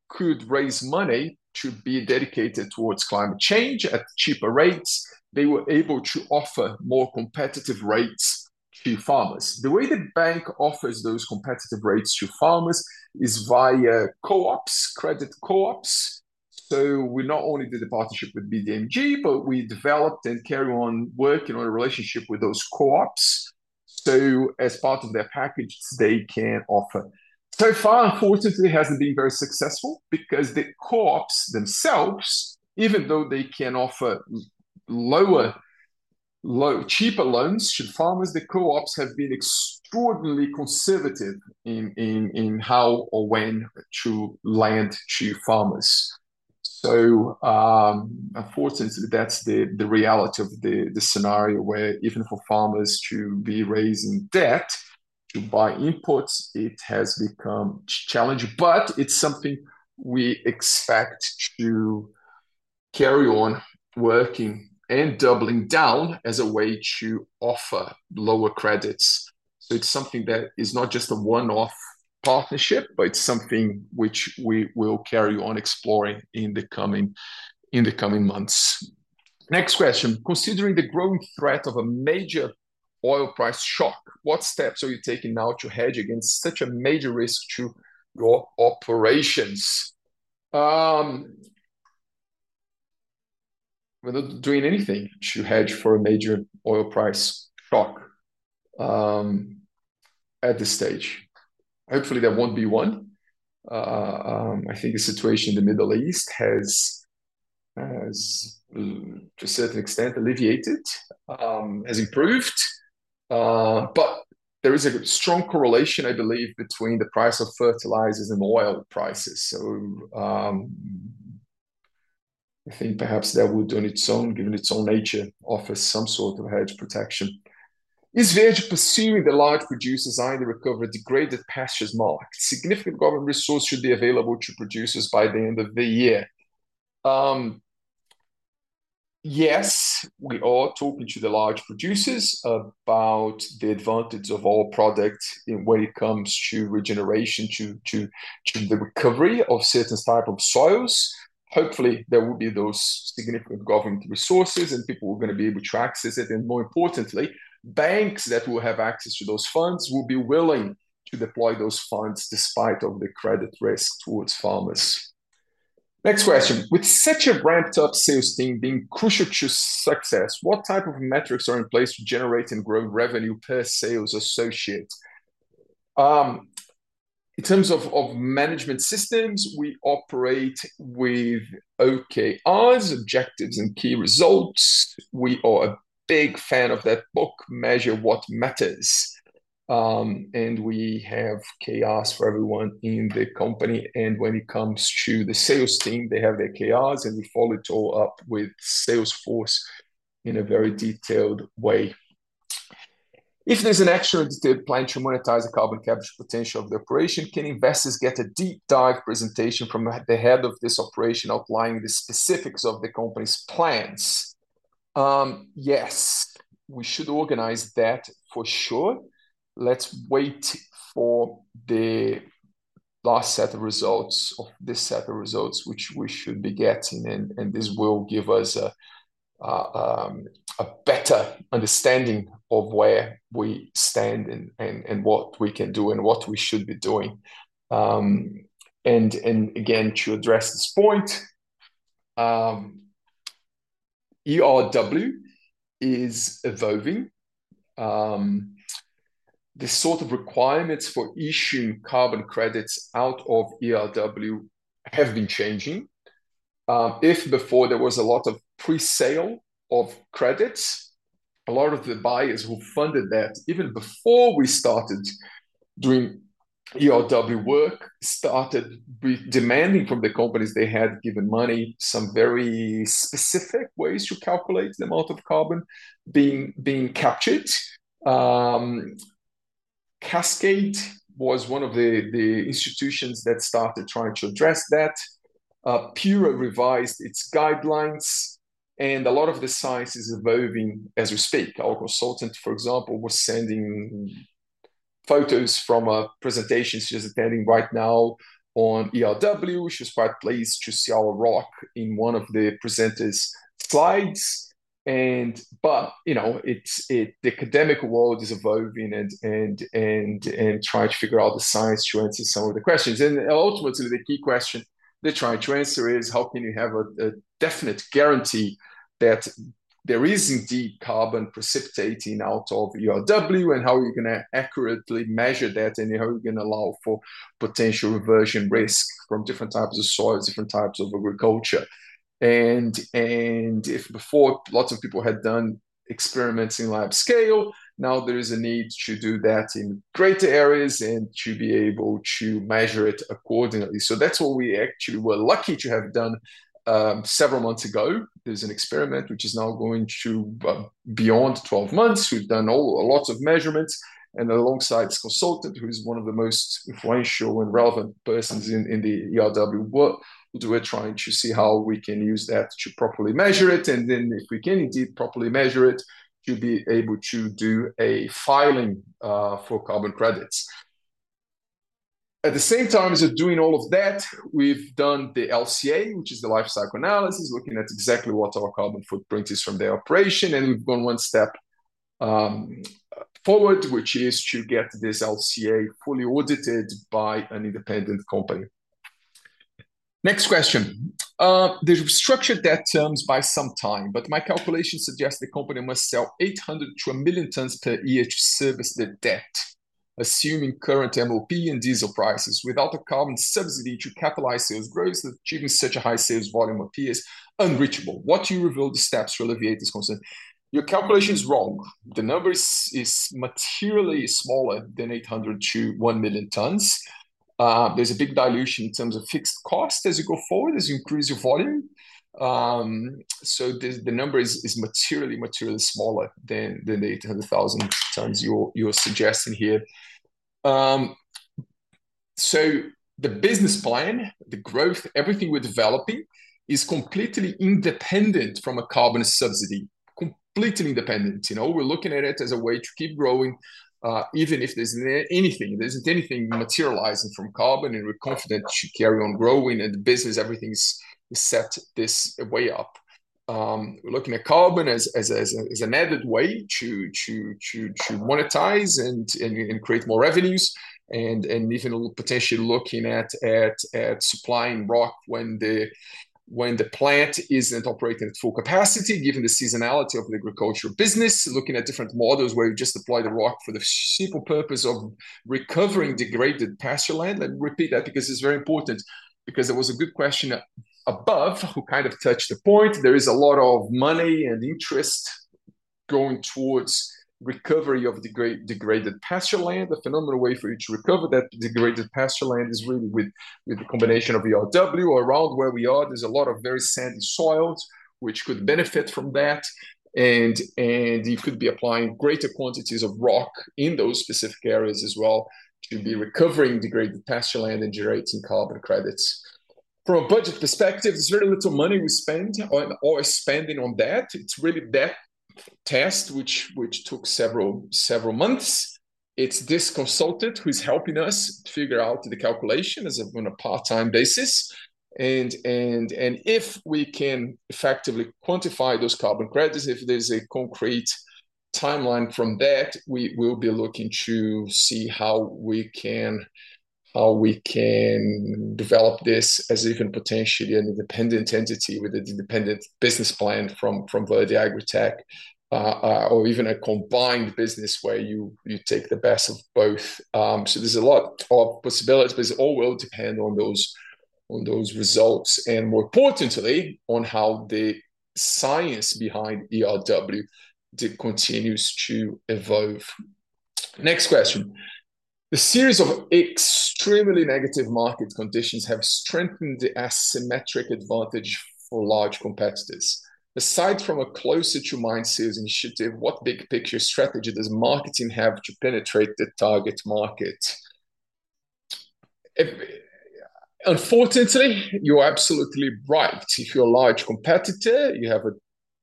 could raise money to be dedicated towards climate change at cheaper rates, they were able to offer more competitive rates to farmers. The way the bank offers those competitive rates to farmers is via co-ops, credit co-ops. We not only did the partnership with BDMG, but we developed and carry on working on a relationship with those co-ops. As part of their package, they can offer. So far, unfortunately, it hasn't been very successful because the co-ops themselves, even though they can offer lower, cheaper loans to farmers, the co-ops have been extraordinarily conservative in how or when to lend to farmers. Unfortunately, that's the reality of the scenario where even for farmers to be raising debt to buy inputs, it has become challenging. But it's something we expect to carry on working and doubling down as a way to offer lower credits. It's something that is not just a one-off partnership, but it's something which we will carry on exploring in the coming months. Next question. Considering the growing threat of a major oil price shock, what steps are you taking now to hedge against such a major risk to your operations? We're not doing anything to hedge for a major oil price shock at this stage. Hopefully, there won't be one. I think the situation in the Middle East has, to a certain extent, alleviated, has improved. But there is a strong correlation, I believe, between the price of fertilizers and oil prices. So I think perhaps that would, on its own, given its own nature, offer some sort of hedge protection. Is Verde pursuing the large producers' idea to recover degraded pastures market? Significant government resources should be available to producers by the end of the year. Yes, we are talking to the large producers about the advantage of our product when it comes to regeneration, to the recovery of certain types of soils. Hopefully, there will be those significant government resources and people who are going to be able to access it and more importantly, banks that will have access to those funds will be willing to deploy those funds despite the credit risk towards farmers. Next question. With such a ramped-up sales team being crucial to success, what type of metrics are in place to generate and grow revenue per sales associate? In terms of management systems, we operate with OKRs, objectives, and key results. We are a big fan of that book, Measure What Matters. And we have KRs for everyone in the company. And when it comes to the sales team, they have their KRs, and we follow it all up with Salesforce in a very detailed way. If there's an action to plan to monetize the carbon capture potential of the operation, can investors get a deep dive presentation from the head of this operation outlining the specifics of the company's plans? Yes, we should organize that for sure. Let's wait for the last set of results of this set of results, which we should be getting. And this will give us a better understanding of where we stand and what we can do and what we should be doing. And again, to address this point, ERW is evolving. The sort of requirements for issuing carbon credits out of ERW have been changing. If before there was a lot of pre-sale of credits, a lot of the buyers who funded that, even before we started doing ERW work, started demanding from the companies they had given money some very specific ways to calculate the amount of carbon being captured. Cascade was one of the institutions that started trying to address that. Puro revised its guidelines. And a lot of the science is evolving as we speak. Our consultant, for example, was sending photos from a presentation she's attending right now on ERW. She was quite pleased to see our rock in one of the presenter's slides. But the academic world is evolving and trying to figure out the science to answer some of the questions. Ultimately, the key question they're trying to answer is, how can you have a definite guarantee that there is indeed carbon precipitating out of ERW, and how are you going to accurately measure that, and how are you going to allow for potential reversion risk from different types of soils, different types of agriculture? If before lots of people had done experiments in large scale, now there is a need to do that in greater areas and to be able to measure it accordingly. So that's what we actually were lucky to have done several months ago. There's an experiment which is now going to be beyond 12 months. We've done a lot of measurements. Alongside this consultant, who is one of the most influential and relevant persons in the ERW world, we're trying to see how we can use that to properly measure it. And then if we can indeed properly measure it, to be able to do a filing for carbon credits. At the same time as doing all of that, we've done the LCA, which is the life cycle analysis, looking at exactly what our carbon footprint is from the operation. And we've gone one step forward, which is to get this LCA fully audited by an independent company. Next question. They restructured debt terms some time ago, but my calculation suggests the company must sell 800 to 1 million tons per year to service the debt, assuming current MOP and diesel prices. Without a carbon subsidy to catalyze sales growth, achieving such a high sales volume appears unreachable. What do you reveal the steps to alleviate this concern? Your calculation is wrong. The number is materially smaller than 800 to 1 million tons. There's a big dilution in terms of fixed costs as you go forward, as you increase your volume. So the number is materially, materially smaller than the 800,000 tons you are suggesting here. So the business plan, the growth, everything we're developing is completely independent from a carbon subsidy, completely independent. We're looking at it as a way to keep growing, even if there's anything. There isn't anything materializing from carbon, and we're confident it should carry on growing and the business, everything is set this way up. We're looking at carbon as an added way to monetize and create more revenues, and even potentially looking at supplying rock when the plant isn't operating at full capacity, given the seasonality of the agricultural business, looking at different models where you just apply the rock for the simple purpose of recovering degraded pasture land. Let me repeat that because it's very important, because there was a good question above who kind of touched the point. There is a lot of money and interest going towards recovery of degraded pasture land. A phenomenal way for you to recover that degraded pasture land is really with the combination of ERW around where we are. There's a lot of very sandy soils which could benefit from that, and you could be applying greater quantities of rock in those specific areas as well to be recovering degraded pasture land and generating carbon credits. From a budget perspective, there's very little money we spend or are spending on that. It's really that test which took several months. It's this consultant who is helping us figure out the calculation on a part-time basis. And if we can effectively quantify those carbon credits, if there's a concrete timeline from that, we will be looking to see how we can develop this as even potentially an independent entity with a dependent business plan from Verde AgriTech, or even a combined business where you take the best of both. So there's a lot of possibilities, but it all will depend on those results and, more importantly, on how the science behind ERW continues to evolve. Next question. The series of extremely negative market conditions have strengthened the asymmetric advantage for large competitors. Aside from a closer-to-mind sales initiative, what big picture strategy does marketing have to penetrate the target market? Unfortunately, you're absolutely right. If you're a large competitor, you have a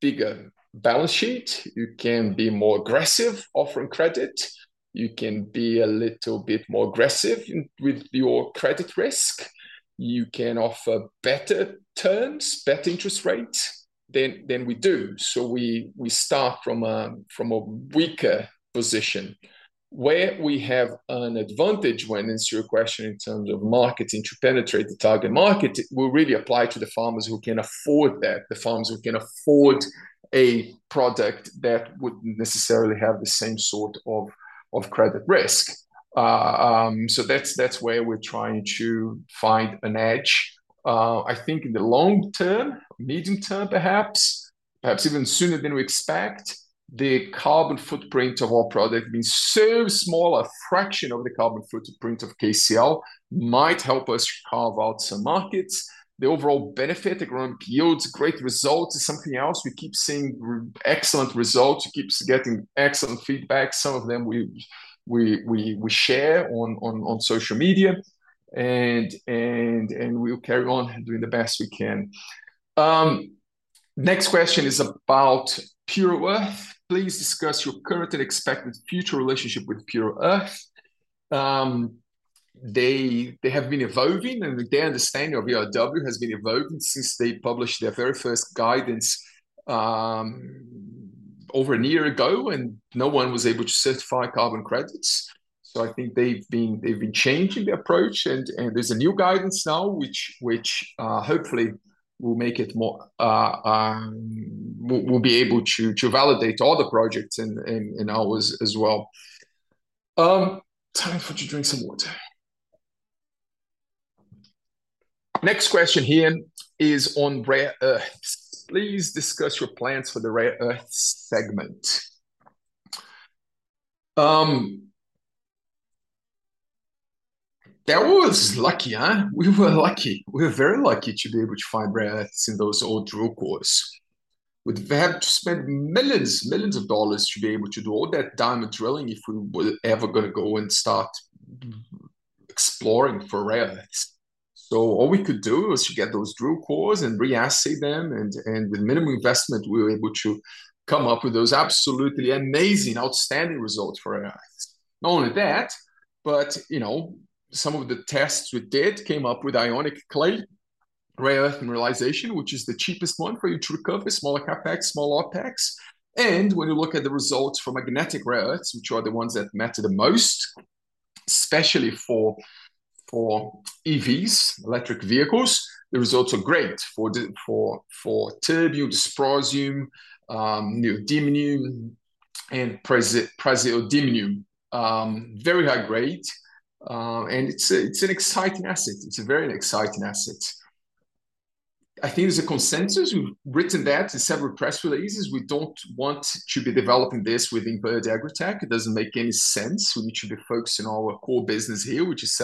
bigger balance sheet. You can be more aggressive offering credit. You can be a little bit more aggressive with your credit risk. You can offer better terms, better interest rates than we do. So we start from a weaker position. Where we have an advantage when it's your question in terms of marketing to penetrate the target market, it will really apply to the farmers who can afford that, the farmers who can afford a product that wouldn't necessarily have the same sort of credit risk. So that's where we're trying to find an edge. I think in the long term, medium term, perhaps, perhaps even sooner than we expect, the carbon footprint of our product being so small, a fraction of the carbon footprint of KCL might help us carve out some markets. The overall benefit, the growing yields, great results is something else. We keep seeing excellent results. We keep getting excellent feedback. Some of them we share on social media. And we'll carry on doing the best we can. Next question is about Puro.earth. Please discuss your current and expected future relationship with Puro.earth. They have been evolving, and their understanding of ERW has been evolving since they published their very first guidance over a year ago, and no one was able to certify carbon credits. So I think they've been changing the approach, and there's a new guidance now, which hopefully will make it more will be able to validate other projects in ours as well. Time for you to drink some water. Next question here is on rare earths. Please discuss your plans for the rare earths segment. That was lucky, huh? We were lucky. We were very lucky to be able to find rare earths in those old drill cores. We'd have to spend millions, millions of dollars to be able to do all that diamond drilling if we were ever going to go and start exploring for rare earths. So all we could do was to get those drill cores and re-assay them, and with minimal investment, we were able to come up with those absolutely amazing, outstanding results for rare earths. Not only that, but some of the tests we did came up with ionic clay, rare earth mineralization, which is the cheapest one for you to recover, smaller CapEx, small OpEx. And when you look at the results for magnetic rare earths, which are the ones that matter the most, especially for EVs, electric vehicles, the results are great for terbium, dysprosium, neodymium, and praseodymium. Very high grade. And it's an exciting asset. It's a very exciting asset. I think there's a consensus. We've written that in several press releases. We don't want to be developing this within Verde AgriTech. It doesn't make any sense. We need to be focused on our core business here, which is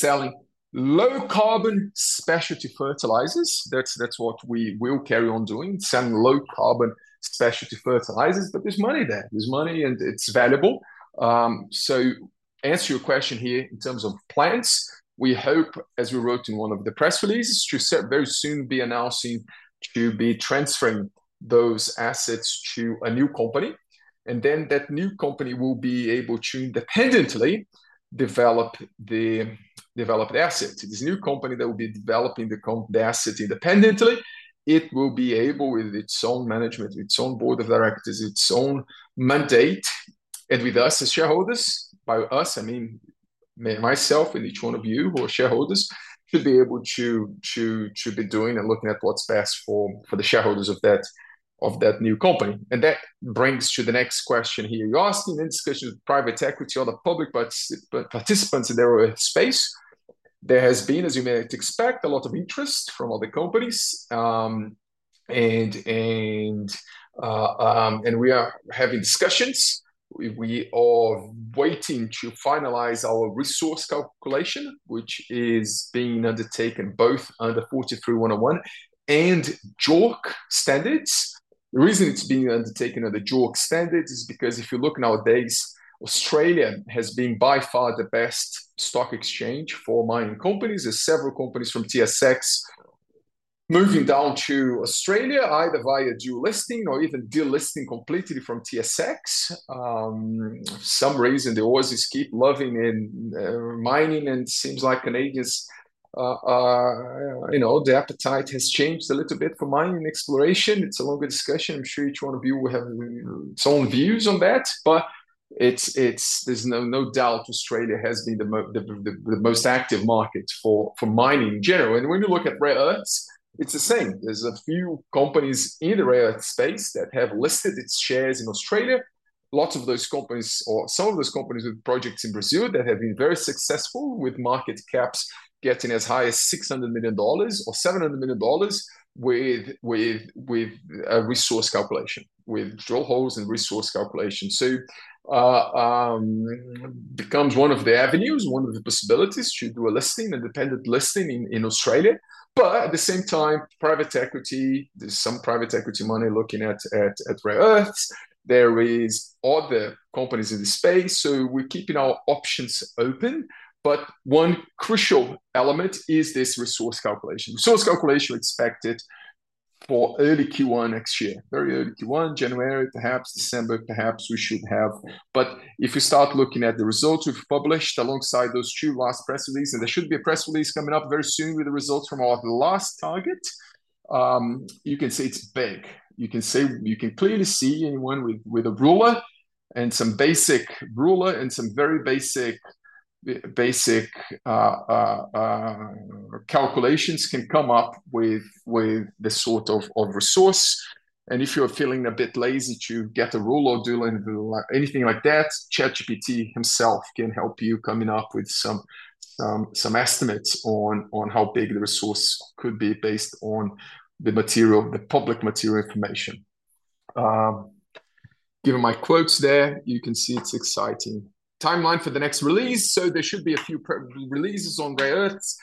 selling low-carbon specialty fertilizers. That's what we will carry on doing, selling low-carbon specialty fertilizers. But there's money there. There's money, and it's valuable. So answer your question here in terms of plants. We hope, as we wrote in one of the press releases, to very soon be announcing to be transferring those assets to a new company, and then that new company will be able to independently develop the assets. This new company that will be developing the assets independently, it will be able, with its own management, its own board of directors, its own mandate, and with us as shareholders, by us, I mean myself and each one of you who are shareholders, to be able to be doing and looking at what's best for the shareholders of that new company, and that brings to the next question here. You're asking in discussion with private equity or the public participants in their space. There has been, as you may expect, a lot of interest from other companies, and we are having discussions. We are waiting to finalize our resource calculation, which is being undertaken both under 43-101 and JORC standards. The reason it's being undertaken under JORC standards is because if you look nowadays, Australia has been by far the best stock exchange for mining companies. are several companies from TSX moving down to Australia, either via dual listing or even de-listing completely from TSX. For some reason, the Aussies keep loving mining, and it seems like Canadians' appetite has changed a little bit for mining exploration. It's a longer discussion. I'm sure each one of you will have its own views on that. But there's no doubt Australia has been the most active market for mining in general. And when you look at rare earths, it's the same. There's a few companies in the rare earth space that have listed its shares in Australia. Lots of those companies, or some of those companies with projects in Brazil that have been very successful with market caps getting as high as $600 million-$700 million with resource calculation, with drill holes and resource calculation. It becomes one of the avenues, one of the possibilities to do a listing, an independent listing in Australia. But at the same time, private equity, there's some private equity money looking at rare earths. There are other companies in the space. We're keeping our options open. One crucial element is this resource calculation. Resource calculation expected for early Q1 next year, very early Q1, January, perhaps December, perhaps we should have. If you start looking at the results we've published alongside those two last press releases, and there should be a press release coming up very soon with the results from our last target, you can say it's big. You can clearly see anyone with a ruler and some very basic calculations can come up with the sort of resource. And if you're feeling a bit lazy to get a ruler, do anything like that, ChatGPT himself can help you coming up with some estimates on how big the resource could be based on the material, the public material information. Given my quotes there, you can see it's exciting. Timeline for the next release. So there should be a few releases on rare earths.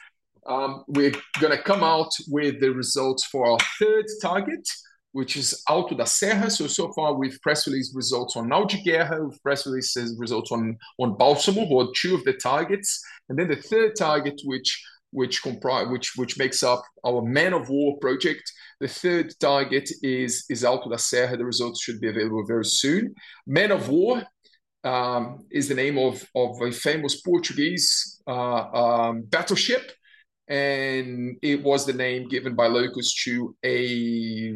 We're going to come out with the results for our third target, which is Alto da Serra. So so far, we've press release results on Nogueira. We've press release results on Bálsamo, which are two of the targets. And then the third target, which makes up our Man of War Project, the third target is Alto da Serra. The results should be available very soon. Man of War is the name of a famous Portuguese battleship. It was the name given by locals to a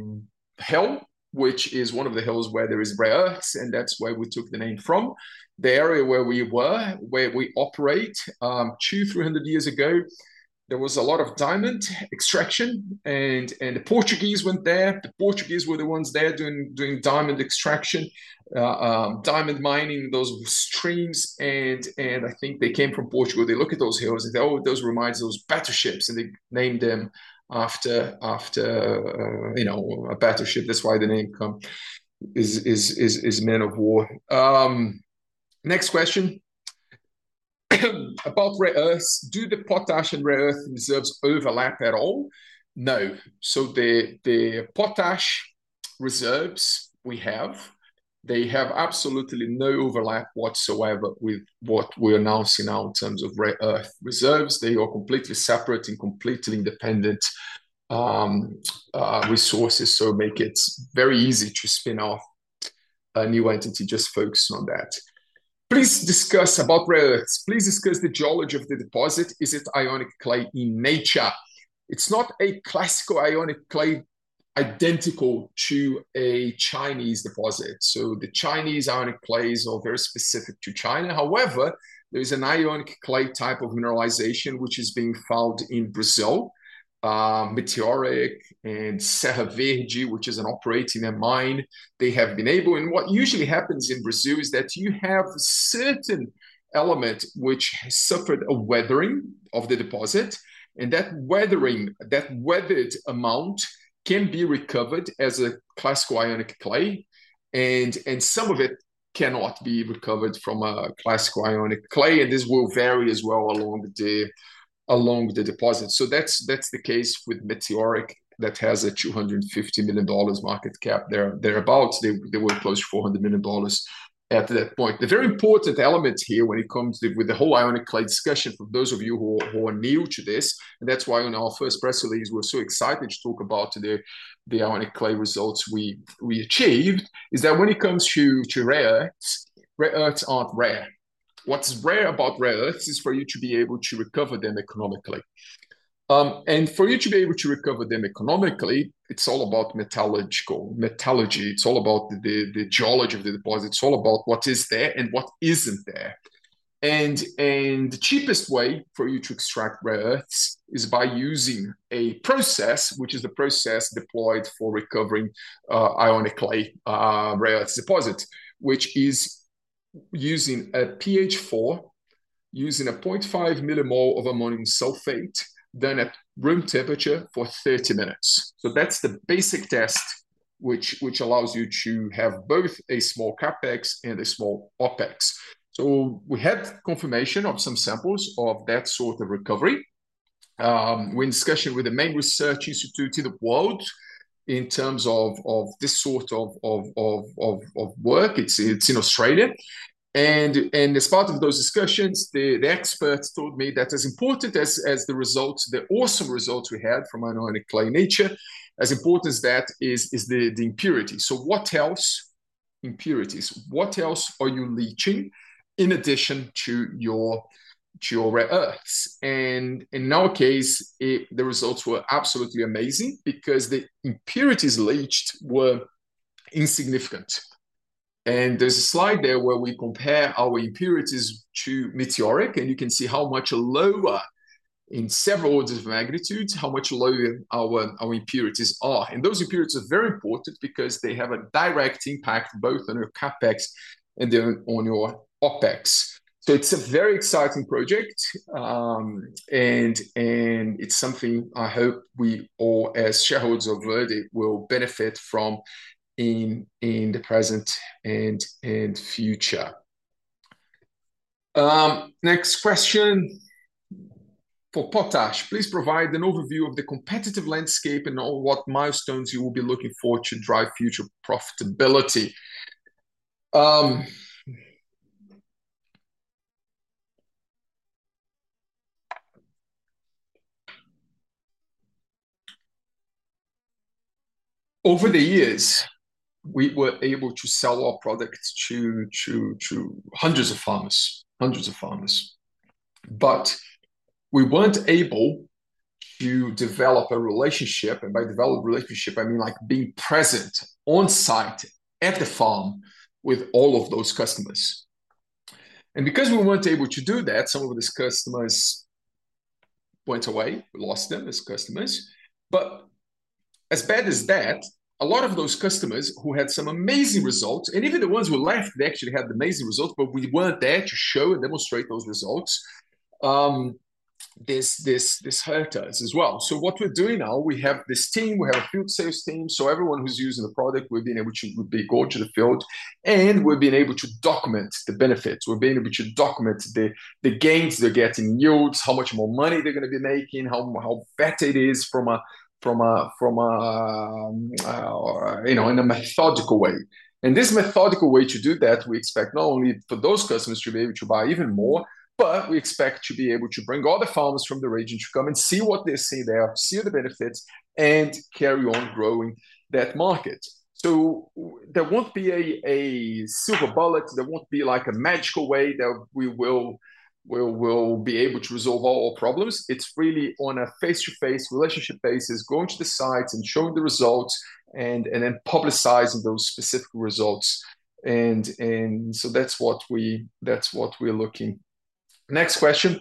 hill, which is one of the hills where there are rare earths, and that's where we took the name from. The area where we were, where we operate, 200, 300 years ago, there was a lot of diamond extraction. The Portuguese went there. The Portuguese were the ones there doing diamond extraction, diamond mining in those streams. I think they came from Portugal. They look at those hills and those reminds those battleships, and they named them after a battleship. That's why the name comes as Man of War. Next question. About rare earths, do the potash and rare earth reserves overlap at all? No. The potash reserves we have, they have absolutely no overlap whatsoever with what we're announcing now in terms of rare earth reserves. They are completely separate and completely independent resources, so make it very easy to spin off a new entity, just focus on that. Please discuss about rare earths. Please discuss the geology of the deposit. Is it ionic clay in nature? It's not a classical ionic clay identical to a Chinese deposit, so the Chinese ionic clays are very specific to China. However, there is an ionic clay type of mineralization which is being found in Brazil, Meteoric and Serra Verde, which is an operating mine. They have been able, and what usually happens in Brazil is that you have a certain element which has suffered a weathering of the deposit, and that weathered, that weathered amount can be recovered as a classical ionic clay, and some of it cannot be recovered from a classical ionic clay, and this will vary as well along the deposit. So that's the case with Meteoric that has a $250 million market cap thereabouts. They were close to $400 million at that point. The very important element here when it comes to with the whole ionic clay discussion for those of you who are new to this, and that's why on our first press release, we're so excited to talk about the ionic clay results we achieved, is that when it comes to rare earths, rare earths aren't rare. What's rare about rare earths is for you to be able to recover them economically. And for you to be able to recover them economically, it's all about metallurgy. It's all about the geology of the deposit. It's all about what is there and what isn't there. The cheapest way for you to extract rare earths is by using a process, which is the process deployed for recovering ionic clay rare earth deposit, which is using a pH 4, using a 0.5 millimole of ammonium sulfate done at room temperature for 30 minutes. That's the basic test which allows you to have both a small CapEx and a small OpEx. We had confirmation of some samples of that sort of recovery when discussing with the main research institute in the world in terms of this sort of work. It's in Australia. As part of those discussions, the experts told me that as important as the results, the awesome results we had from ionic clay nature, as important as that is the impurity. What else? Impurities. What else are you leaching in addition to your rare earths? In our case, the results were absolutely amazing because the impurities leached were insignificant. There's a slide there where we compare our impurities to Meteoric, and you can see how much lower in several orders of magnitude, how much lower our impurities are. Those impurities are very important because they have a direct impact both on your CapEx and on your OpEx. So it's a very exciting project, and it's something I hope we all, as shareholders of Verde, will benefit from in the present and future. Next question for potash. Please provide an overview of the competitive landscape and what milestones you will be looking for to drive future profitability. Over the years, we were able to sell our product to hundreds of farmers, hundreds of farmers. But we weren't able to develop a relationship, and by develop a relationship, I mean like being present on site at the farm with all of those customers. And because we weren't able to do that, some of these customers went away. We lost them as customers. But as bad as that, a lot of those customers who had some amazing results, and even the ones who left, they actually had amazing results, but we weren't there to show and demonstrate those results. This hurt us as well. So what we're doing now, we have this team. We have a field sales team. So everyone who's using the product, we've been able to go to the field, and we've been able to document the benefits. We've been able to document the gains they're getting in yields, how much more money they're going to be making, how better it is in a methodical way, and this methodical way to do that, we expect not only for those customers to be able to buy even more, but we expect to be able to bring other farmers from the region to come and see what they see there, see the benefits, and carry on growing that market, so there won't be a silver bullet. There won't be like a magical way that we will be able to resolve all our problems. It's really on a face-to-face relationship basis, going to the sites and showing the results and then publicizing those specific results, and so that's what we're looking. Next question.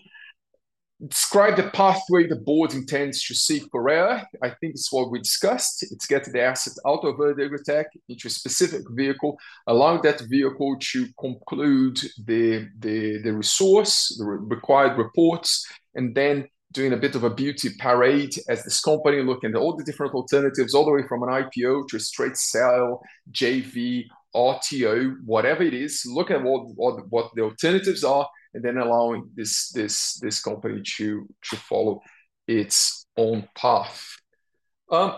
Describe the pathway the board intends to seek for rare. I think it's what we discussed. It's getting the assets out of Verde AgriTech into a specific vehicle, allowing that vehicle to conclude the resource, the required reports, and then doing a bit of a beauty parade as this company looking at all the different alternatives, all the way from an IPO to a straight sale, JV, RTO, whatever it is, looking at what the alternatives are, and then allowing this company to follow its own path.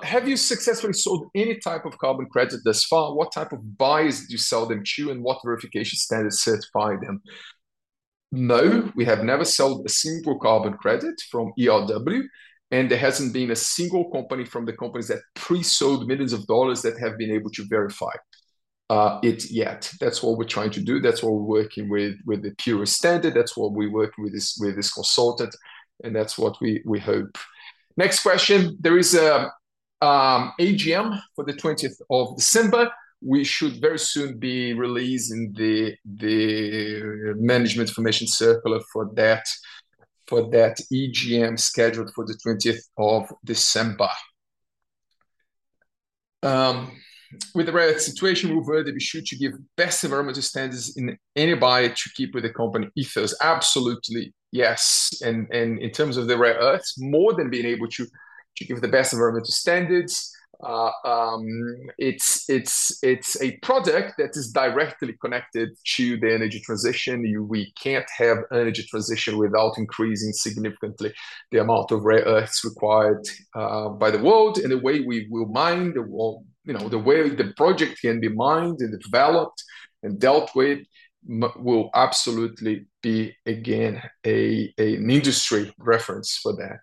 Have you successfully sold any type of carbon credit thus far? What type of buyers did you sell them to, and what verification standards certify them? No. We have never sold a single carbon credit from ERW, and there hasn't been a single company from the companies that pre-sold millions of dollars that have been able to verify it yet. That's what we're trying to do. That's what we're working with the Puro Standard. That's what we work with this consultant, and that's what we hope. Next question. There is an AGM for the 20th of December. We should very soon be releasing the Management Information Circular for that EGM scheduled for the 20th of December. With the rare earth situation, will Verde be sure to give best environmental standards in any way to keep with the company ethos? Absolutely, yes. And in terms of the rare earths, more than being able to give the best environmental standards, it's a product that is directly connected to the energy transition. We can't have energy transition without increasing significantly the amount of rare earths required by the world. And the way we will mine, the way the project can be mined and developed and dealt with will absolutely be, again, an industry reference for that.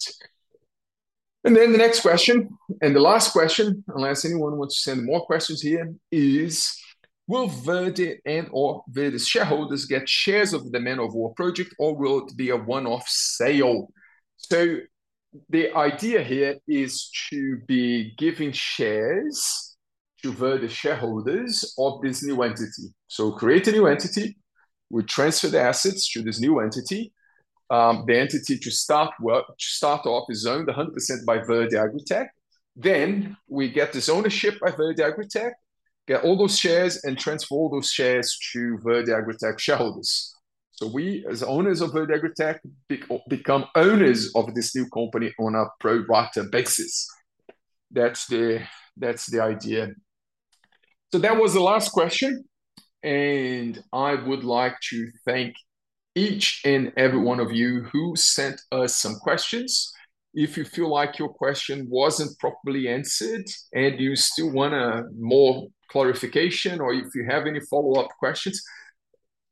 Then the next question, and the last question, unless anyone wants to send more questions here, is will Verde and/or Verde's shareholders get shares of the Man of War Project, or will it be a one-off sale? So the idea here is to be giving shares to Verde's shareholders of this new entity. So create a new entity. We transfer the assets to this new entity. The entity to start off is owned 100% by Verde AgriTech. Then we get this ownership by Verde AgriTech, get all those shares, and transfer all those shares to Verde AgriTech shareholders. So we, as owners of Verde AgriTech, become owners of this new company on a pro-rata basis. That's the idea. So that was the last question. I would like to thank each and every one of you who sent us some questions. If you feel like your question wasn't properly answered and you still want more clarification or if you have any follow-up questions,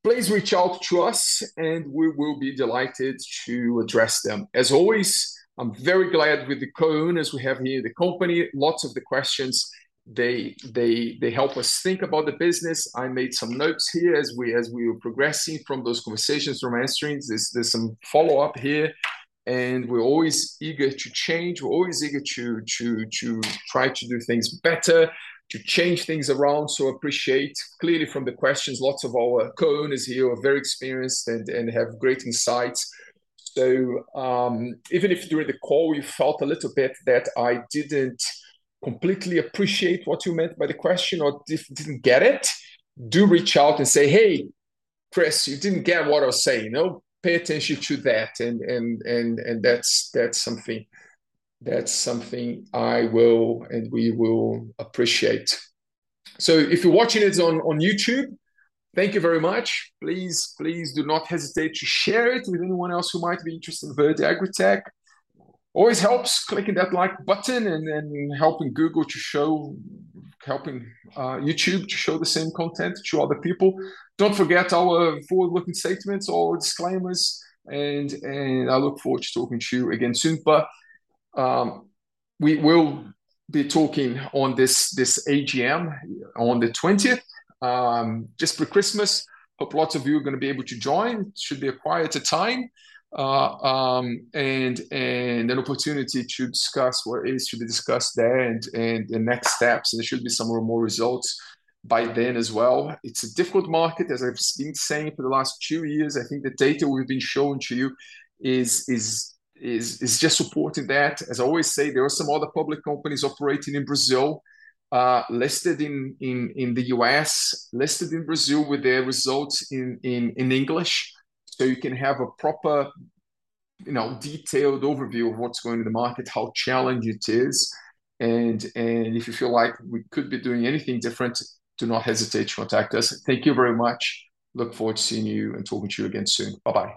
please reach out to us, and we will be delighted to address them. As always, I'm very glad with the co-owners we have here in the company. Lots of the questions, they help us think about the business. I made some notes here as we were progressing from those conversations through mainstreams. There's some follow-up here, and we're always eager to change. We're always eager to try to do things better, to change things around, so appreciate, clearly from the questions, lots of our co-owners here are very experienced and have great insights. So even if during the call you felt a little bit that I didn't completely appreciate what you meant by the question or didn't get it, do reach out and say, "Hey, Chris, you didn't get what I was saying." Pay attention to that. And that's something I will and we will appreciate. So if you're watching this on YouTube, thank you very much. Please do not hesitate to share it with anyone else who might be interested in Verde AgriTech. Always helps clicking that like button and then helping Google to show, helping YouTube to show the same content to other people. Don't forget our forward-looking statements or disclaimers, and I look forward to talking to you again soon. But we will be talking on this AGM on the 20th, just pre-Christmas. Hope lots of you are going to be able to join. It should be a quieter time and an opportunity to discuss what is to be discussed there and the next steps. There should be some more results by then as well. It's a difficult market, as I've been saying for the last two years. I think the data we've been showing to you is just supporting that. As I always say, there are some other public companies operating in Brazil, listed in the U.S., listed in Brazil with their results in English. So you can have a proper detailed overview of what's going on in the market, how challenged it is. And if you feel like we could be doing anything different, do not hesitate to contact us. Thank you very much. Look forward to seeing you and talking to you again soon. Bye-bye.